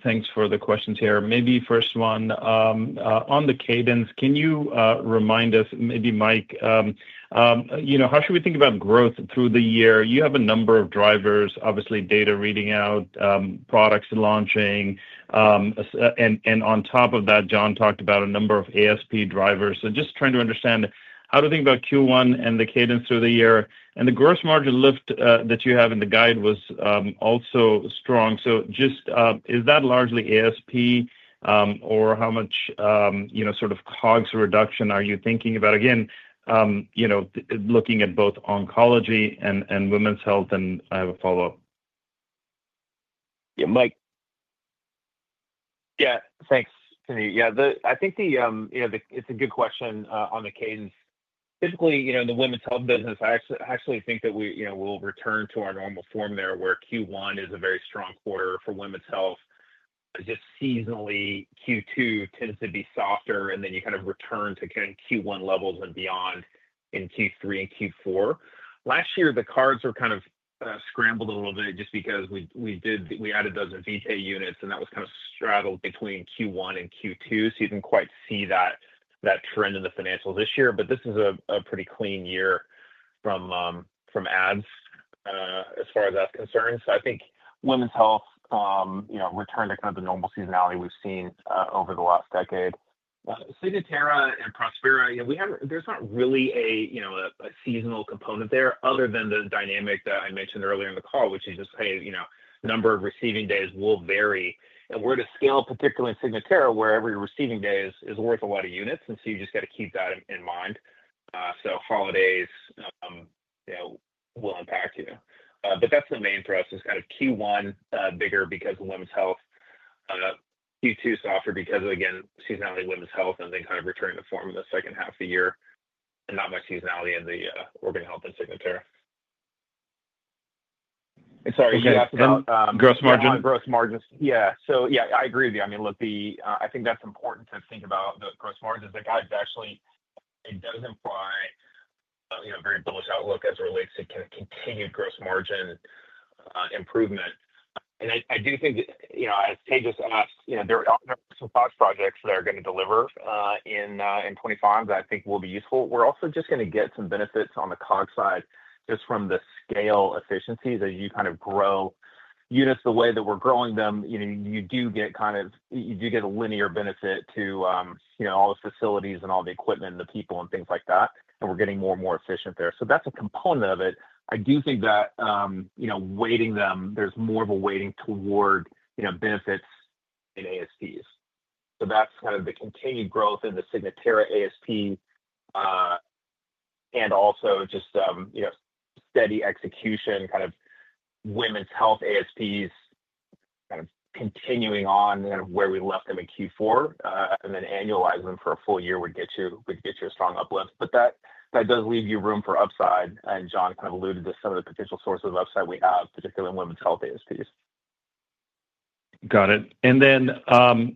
Thanks for the questions here. Maybe first one, on the cadence, can you remind us, maybe Mike, how should we think about growth through the year? You have a number of drivers, obviously, data reading out, products launching. And on top of that, John talked about a number of ASP drivers. So just trying to understand how to think about Q1 and the cadence through the year. And the gross margin lift that you have in the guide was also strong. So just is that largely ASP, or how much sort of COGS reduction are you thinking about? Again, looking at both oncology and women's health, and I have a follow-up. Yeah. Mike. Yeah. Thanks, Puneet. Yeah. I think it's a good question on the cadence. Typically, in the women's health business, I actually think that we'll return to our normal form there where Q1 is a very strong quarter for women's health. Just seasonally, Q2 tends to be softer, and then you kind of return to kind of Q1 levels and beyond in Q3 and Q4. Last year, the cards were kind of scrambled a little bit just because we added those Invitae units, and that was kind of straddled between Q1 and Q2. So you didn't quite see that trend in the financials this year. But this is a pretty clean year from adds as far as that's concerned. So I think women's health returned to kind of the normal seasonality we've seen over the last decade. Signatera and Prospera, there's not really a seasonal component there other than the dynamic that I mentioned earlier in the call, which is just, hey, number of receiving days will vary. And we're at a scale, particularly in Signatera, where every receiving day is worth a lot of units. And so you just got to keep that in mind. So holidays will impact you. But that's the main thrust is kind of Q1 bigger because of women's health, Q2 softer because, again, seasonality in women's health, and then kind of returning to form in the second half of the year, and not much seasonality in the organ health in Signatera. And sorry, can I ask about. Gross margin. Gross margins. Yeah. So yeah, I agree with you. I mean, look, I think that's important to think about the gross margins. The guide actually does imply a very bullish outlook as it relates to continued gross margin improvement. And I do think that, as Tycho just asked, there are some COGS projects that are going to deliver in 2025 that I think will be useful. We're also just going to get some benefits on the COGS side just from the scale efficiencies as you kind of grow units the way that we're growing them. You do get kind of a linear benefit to all the facilities and all the equipment and the people and things like that. And we're getting more and more efficient there. So that's a component of it. I do think that weighting them, there's more of a weighting toward benefits in ASPs. So that's kind of the continued growth in the Signatera ASP and also just steady execution, kind of women's health ASPs, kind of continuing on kind of where we left them in Q4 and then annualize them for a full year, we'd get you a strong uplift. But that does leave you room for upside, and John kind of alluded to some of the potential sources of upside we have, particularly in women's health ASPs. Got it. And then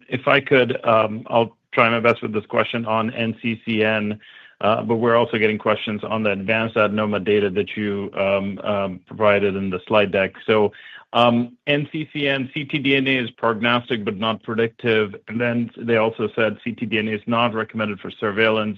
if I could, I'll try my best with this question on NCCN, but we're also getting questions on the advanced adenoma data that you provided in the slide deck. So NCCN, ctDNA is prognostic but not predictive. And then they also said ctDNA is not recommended for surveillance.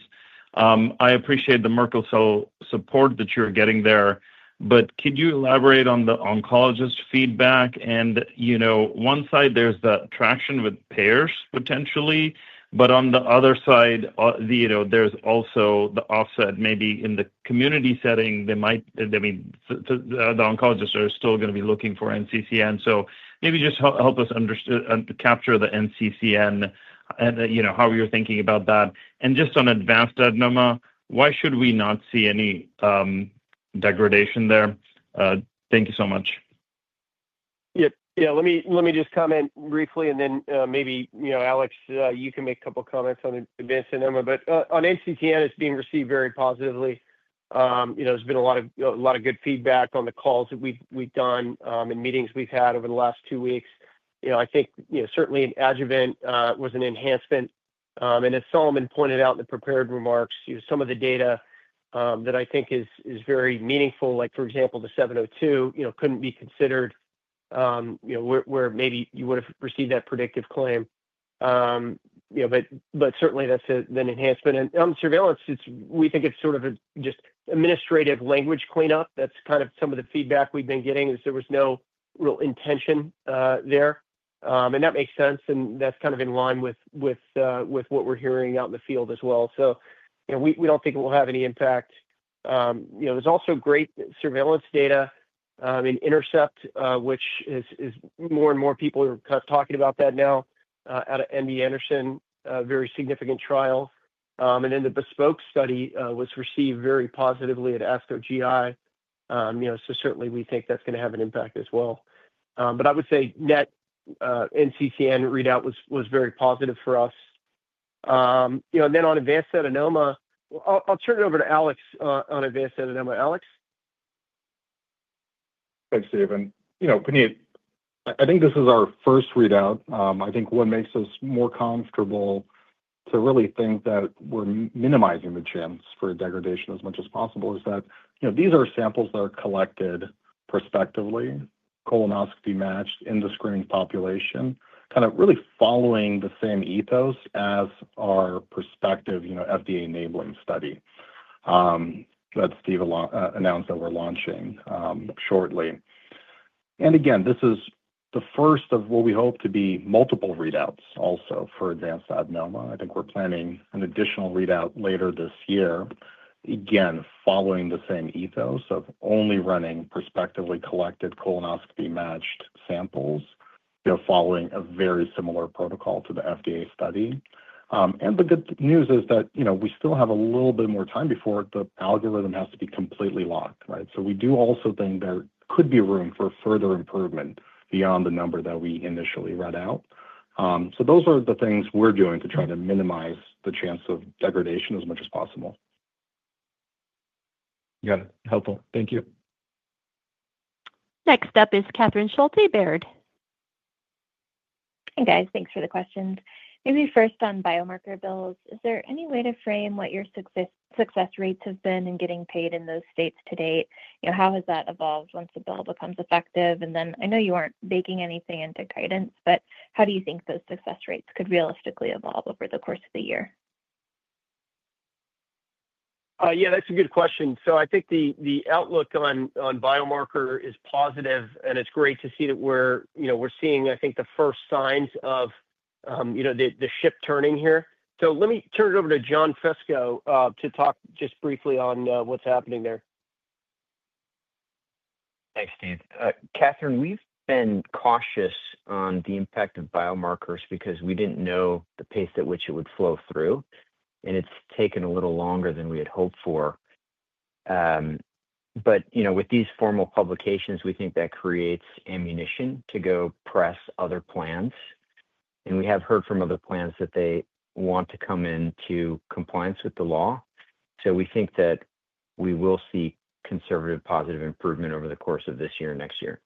I appreciate the Merkel cell support that you're getting there, but could you elaborate on the oncologist feedback? And one side, there's the traction with payers potentially, but on the other side, there's also the offset maybe in the community setting. I mean, the oncologists are still going to be looking for NCCN. So maybe just help us capture the NCCN and how you're thinking about that. And just on advanced adenoma, why should we not see any degradation there? Thank you so much. Let me just comment briefly, and then maybe Alex, you can make a couple of comments on advanced adenoma. But on NCCN, it's being received very positively. There's been a lot of good feedback on the calls that we've done and meetings we've had over the last two weeks. I think certainly adjuvant was an enhancement. And as Solomon pointed out in the prepared remarks, some of the data that I think is very meaningful, like for example, the 702 couldn't be considered where maybe you would have received that predictive claim. But certainly, that's an enhancement. And on surveillance, we think it's sort of just administrative language cleanup. That's kind of some of the feedback we've been getting is there was no real intention there. And that makes sense, and that's kind of in line with what we're hearing out in the field as well. So we don't think it will have any impact. There's also great surveillance data in INTERCEPT, which more and more people are kind of talking about that now out of MD Anderson, a very significant trial. And then the Bespoke study was received very positively at ASCO GI. So certainly, we think that's going to have an impact as well. But I would say net NCCN readout was very positive for us. And then on advanced adenoma, I'll turn it over to Alex on advanced adenoma. Alex? Thanks, Steve. Puneet, I think this is our first readout. I think what makes us more comfortable to really think that we're minimizing the chance for degradation as much as possible is that these are samples that are collected prospectively, colonoscopy-matched in the screening population, kind of really following the same ethos as our prospective FDA enabling study that Steve announced that we're launching shortly, and again, this is the first of what we hope to be multiple readouts also for advanced adenoma. I think we're planning an additional readout later this year, again, following the same ethos of only running prospectively collected colonoscopy-matched samples, following a very similar protocol to the FDA study, and the good news is that we still have a little bit more time before the algorithm has to be completely locked, right? We do also think there could be room for further improvement beyond the number that we initially read out. Those are the things we're doing to try to minimize the chance of degradation as much as possible. Got it. Helpful. Thank you. Next up is Catherine Schulte. Hey, guys. Thanks for the questions. Maybe first on biomarker bills. Is there any way to frame what your success rates have been in getting paid in those states to date? How has that evolved once the bill becomes effective? And then I know you aren't baking anything into guidance, but how do you think those success rates could realistically evolve over the course of the year? Yeah, that's a good question. So I think the outlook on biomarker is positive, and it's great to see that we're seeing, I think, the first signs of the ship turning here. So let me turn it over to John Fesko to talk just briefly on what's happening there. Thanks, Steve. Catherine, we've been cautious on the impact of biomarkers because we didn't know the pace at which it would flow through, and it's taken a little longer than we had hoped for, but with these formal publications, we think that creates ammunition to go press other plans, and we have heard from other plans that they want to come into compliance with the law, so we think that we will see conservative positive improvement over the course of this year and next year.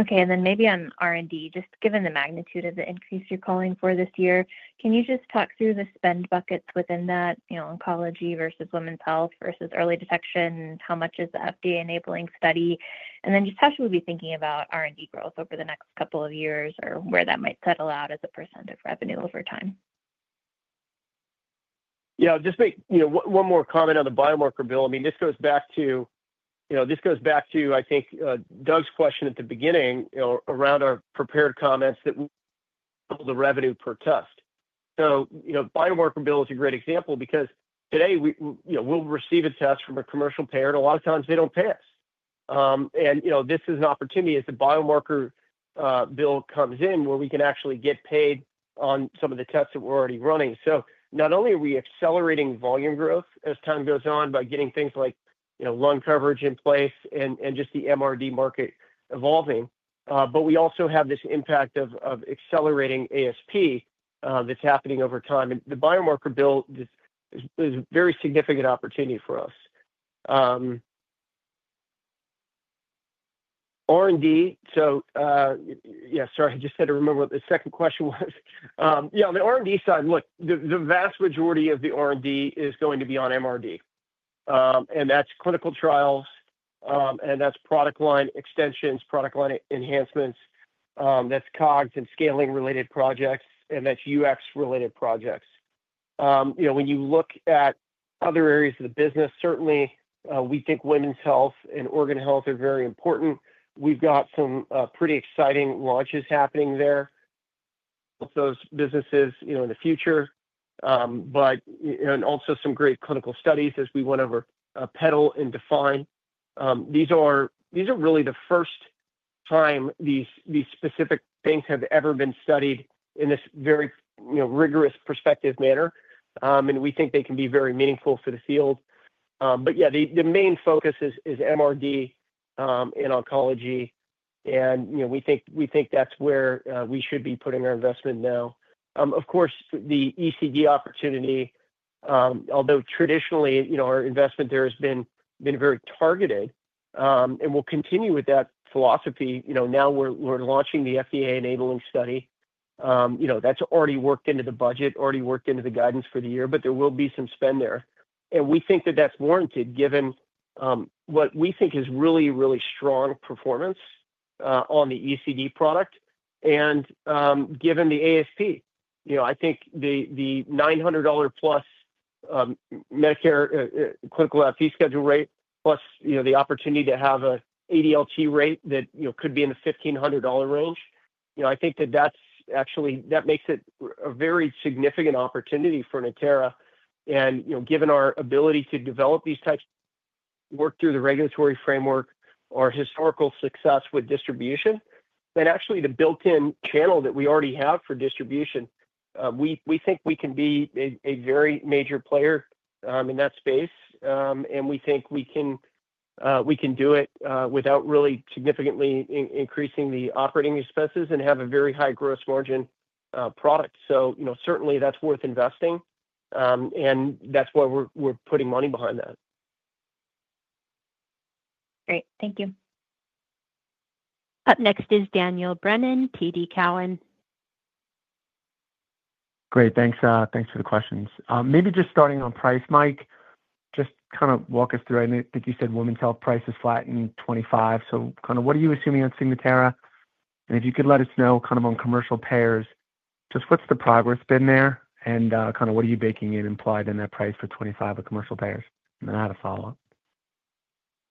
Okay. And then maybe on R&D, just given the magnitude of the increase you're calling for this year, can you just talk through the spend buckets within that? Oncology versus women's health versus early detection, how much is the FDA enabling study? And then just how should we be thinking about R&D growth over the next couple of years or where that might settle out as a % of revenue over time? Yeah. Just one more comment on the biomarker bill. I mean, this goes back to, I think, Doug's question at the beginning around our prepared comments that the revenue per test. So biomarker bill is a great example because today we'll receive a test from a commercial payer, and a lot of times they don't pay us. And this is an opportunity as the biomarker bill comes in where we can actually get paid on some of the tests that we're already running. So not only are we accelerating volume growth as time goes on by getting things like lung coverage in place and just the MRD market evolving, but we also have this impact of accelerating ASP that's happening over time. And the biomarker bill is a very significant opportunity for us. R&D, so yeah, sorry, I just had to remember what the second question was. Yeah. On the R&D side, look, the vast majority of the R&D is going to be on MRD, and that's clinical trials, and that's product line extensions, product line enhancements. That's COGS and scaling-related projects, and that's UX-related projects. When you look at other areas of the business, certainly, we think women's health and Organ Health are very important. We've got some pretty exciting launches happening there, both those businesses in the future, but also some great clinical studies as we went over PEDAL and DEFYNE. These are really the first time these specific things have ever been studied in this very rigorous prospective manner, and we think they can be very meaningful for the field. But yeah, the main focus is MRD in oncology, and we think that's where we should be putting our investment now. Of course, the ECD opportunity, although traditionally our investment there has been very targeted, and we'll continue with that philosophy. Now we're launching the FDA enabling study. That's already worked into the budget, already worked into the guidance for the year, but there will be some spend there. And we think that that's warranted given what we think is really, really strong performance on the ECD product and given the ASP. I think the $900-plus Medicare clinical fee schedule rate, plus the opportunity to have an ADLT rate that could be in the $1,500 range, I think that that makes it a very significant opportunity for Natera. And given our ability to develop these types, work through the regulatory framework, our historical success with distribution, and actually the built-in channel that we already have for distribution, we think we can be a very major player in that space. And we think we can do it without really significantly increasing the operating expenses and have a very high gross margin product. So certainly, that's worth investing, and that's why we're putting money behind that. Great. Thank you. Up next is Daniel Brennan, TD Cowen. Great. Thanks for the questions. Maybe just starting on price, Mike, just kind of walk us through. I think you said women's health price is flat in 2025. So kind of what are you assuming on Signatera? And if you could let us know kind of on commercial payers, just what's the progress been there and kind of what are you baking in implied in that price for 2025 with commercial payers? And then I have a follow-up.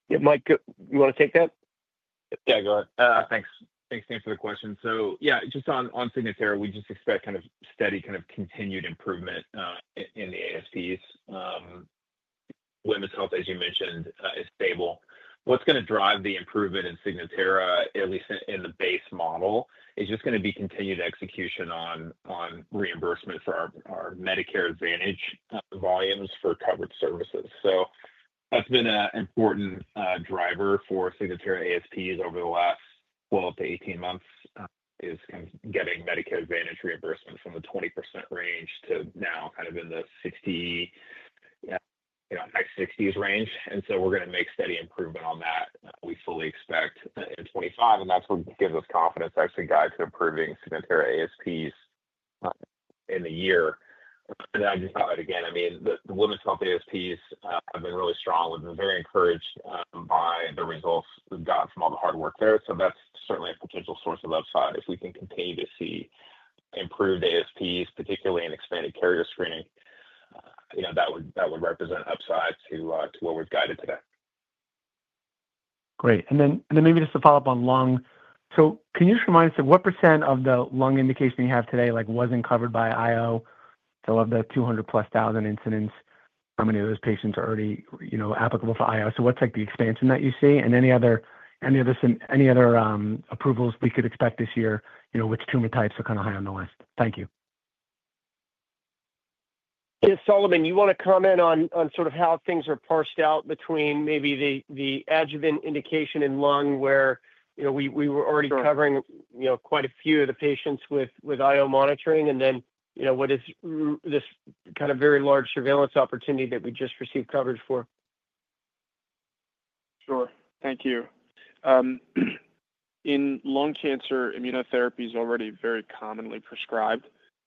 Yeah. Mike, you want to take that? Yeah. Go ahead. Thanks, Steven, for the question. So yeah, just on Signatera, we just expect kind of steady kind of continued improvement in the ASPs. Women's health, as you mentioned, is stable. What's going to drive the improvement in Signatera, at least in the base model, is just going to be continued execution on reimbursement for our Medicare Advantage volumes for covered services. So that's been an important driver for Signatera ASPs over the last 12-18 months is kind of getting Medicare Advantage reimbursement from the 20% range to now kind of in the high 60s range. And so we're going to make steady improvement on that. We fully expect in 2025, and that's what gives us confidence to actually guide to improving Signatera ASPs in the year. And I just thought, again, I mean, the women's health ASPs have been really strong. We've been very encouraged by the results we've gotten from all the hard work there. So that's certainly a potential source of upside. If we can continue to see improved ASPs, particularly in expanded carrier screening, that would represent upside to what we've guided today. Great. And then maybe just to follow up on lung. So can you just remind us of what % of the lung indication you have today wasn't covered by IO? So of the 200-plus thousand incidences, how many of those patients are already applicable for IO? So what's the expansion that you see? And any other approvals we could expect this year, which tumor types are kind of high on the list? Thank you. Yeah. Solomon, you want to comment on sort of how things are parsed out between maybe the adjuvant indication in lung where we were already covering quite a few of the patients with IO monitoring, and then what is this kind of very large surveillance opportunity that we just received coverage for? Sure. Thank you. In lung cancer, immunotherapy is already very commonly prescribed,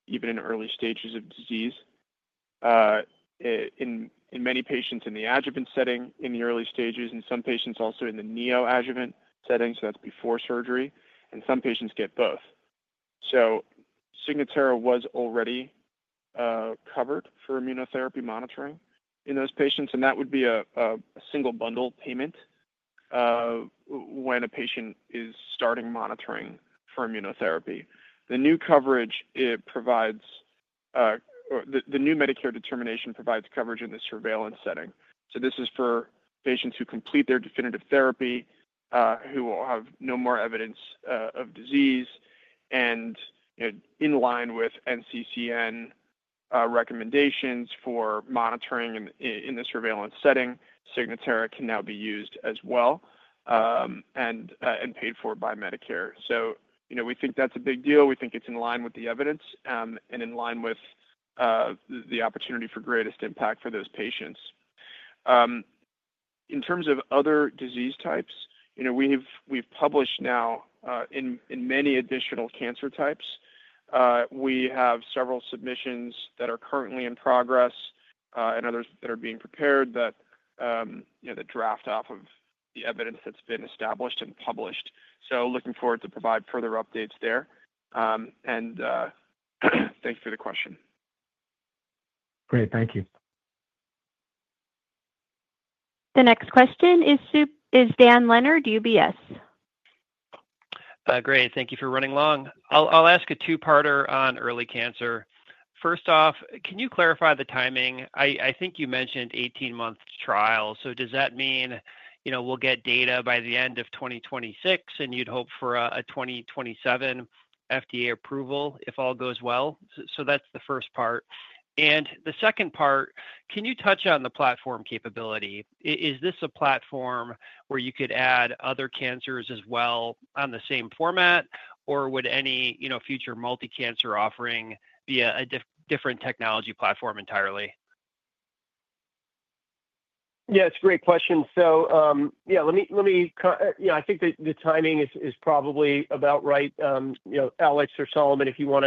even in early stages of disease. In many patients in the adjuvant setting in the early stages, and some patients also in the neoadjuvant setting, so that's before surgery, and some patients get both. So Signatera was already covered for immunotherapy monitoring in those patients, and that would be a single bundle payment when a patient is starting monitoring for immunotherapy. The new coverage it provides, the new Medicare determination provides coverage in the surveillance setting. So this is for patients who complete their definitive therapy, who will have no more evidence of disease. And in line with NCCN recommendations for monitoring in the surveillance setting, Signatera can now be used as well and paid for by Medicare. So we think that's a big deal. We think it's in line with the evidence and in line with the opportunity for greatest impact for those patients. In terms of other disease types, we've published now in many additional cancer types. We have several submissions that are currently in progress and others that are being prepared that draft off of the evidence that's been established and published. So looking forward to provide further updates there. And thanks for the question. Great. Thank you. The next question is Dan Leonard, UBS. Great. Thank you for running long. I'll ask a two-parter on early cancer. First off, can you clarify the timing? I think you mentioned 18-month trial. So does that mean we'll get data by the end of 2026, and you'd hope for a 2027 FDA approval if all goes well? So that's the first part. And the second part, can you touch on the platform capability? Is this a platform where you could add other cancers as well on the same format, or would any future multicancer offering be a different technology platform entirely? Yeah. It's a great question. So yeah, let me I think the timing is probably about right. Alex or Solomon, if you want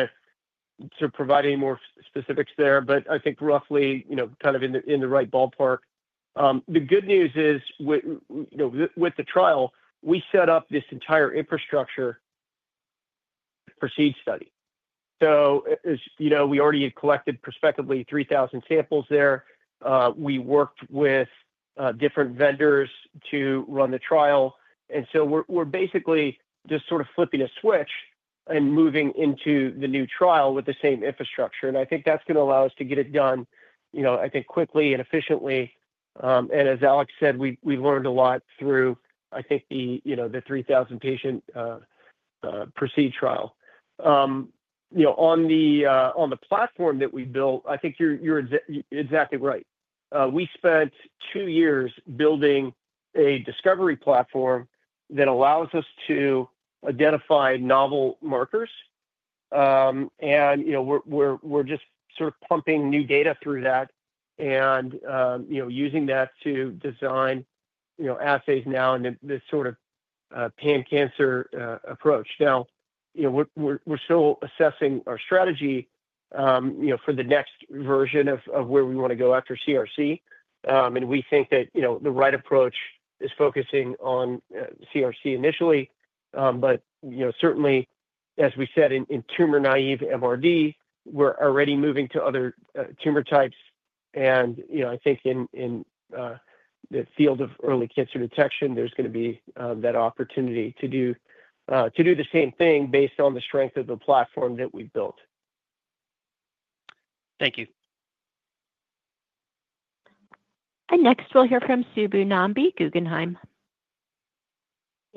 to provide any more specifics there, but I think roughly kind of in the right ballpark. The good news is with the trial, we set up this entire infrastructure PRECEDE study. So we already had collected prospectively 3,000 samples there. We worked with different vendors to run the trial. And so we're basically just sort of flipping a switch and moving into the new trial with the same infrastructure. And I think that's going to allow us to get it done, I think, quickly and efficiently. And as Alex said, we've learned a lot through, I think, the 3,000-patient PRECEDE study. On the platform that we built, I think you're exactly right. We spent two years building a discovery platform that allows us to identify novel markers. We're just sort of pumping new data through that and using that to design assays now and this sort of pan-cancer approach. Now, we're still assessing our strategy for the next version of where we want to go after CRC. And we think that the right approach is focusing on CRC initially. But certainly, as we said, in tumor-naive MRD, we're already moving to other tumor types. And I think in the field of early cancer detection, there's going to be that opportunity to do the same thing based on the strength of the platform that we've built. Thank you. And next, we'll hear from Subbu Nambi Guggenheim.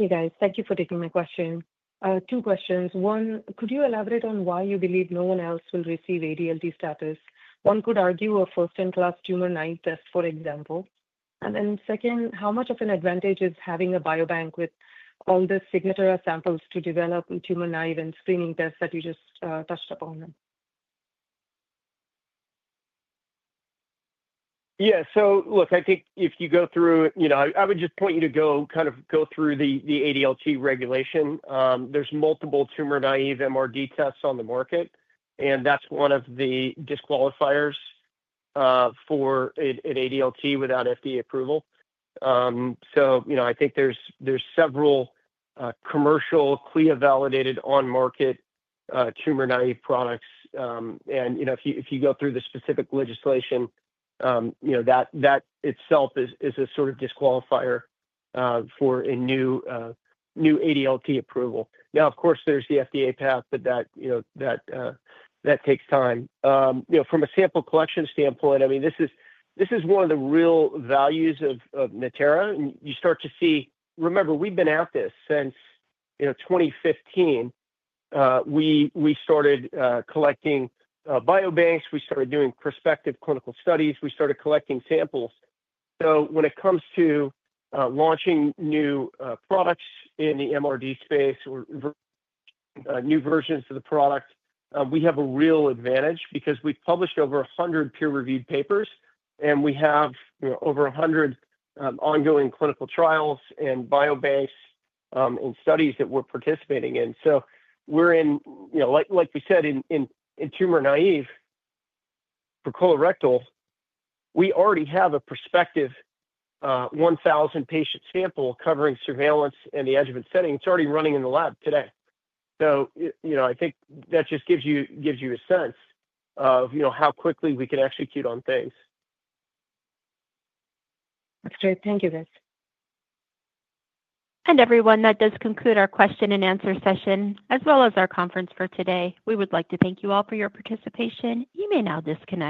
Hey, guys. Thank you for taking my question. Two questions. One, could you elaborate on why you believe no one else will receive ADLT status? One could argue a first-in-class tumor-naive test, for example. And then second, how much of an advantage is having a biobank with all the Signatera samples to develop tumor-naive and screening tests that you just touched upon? Yeah. So look, I think if you go through, I would just point you to kind of go through the ADLT regulation. There's multiple tumor-naive MRD tests on the market, and that's one of the disqualifiers for an ADLT without FDA approval. So I think there's several commercial CLIA-validated on-market tumor-naive products. And if you go through the specific legislation, that itself is a sort of disqualifier for a new ADLT approval. Now, of course, there's the FDA path, but that takes time. From a sample collection standpoint, I mean, this is one of the real values of Natera. And you start to see, remember, we've been at this since 2015. We started collecting biobanks. We started doing prospective clinical studies. We started collecting samples. So when it comes to launching new products in the MRD space or new versions of the product, we have a real advantage because we've published over 100 peer-reviewed papers, and we have over 100 ongoing clinical trials and biobanks and studies that we're participating in. So we're in, like we said, in tumor-naive for colorectal. We already have a prospective 1,000-patient sample covering surveillance in the adjuvant setting. It's already running in the lab today. So I think that just gives you a sense of how quickly we can execute on things. That's great. Thank you, [Steve] And everyone, that does conclude our question-and-answer session as well as our conference for today. We would like to thank you all for your participation. You may now disconnect.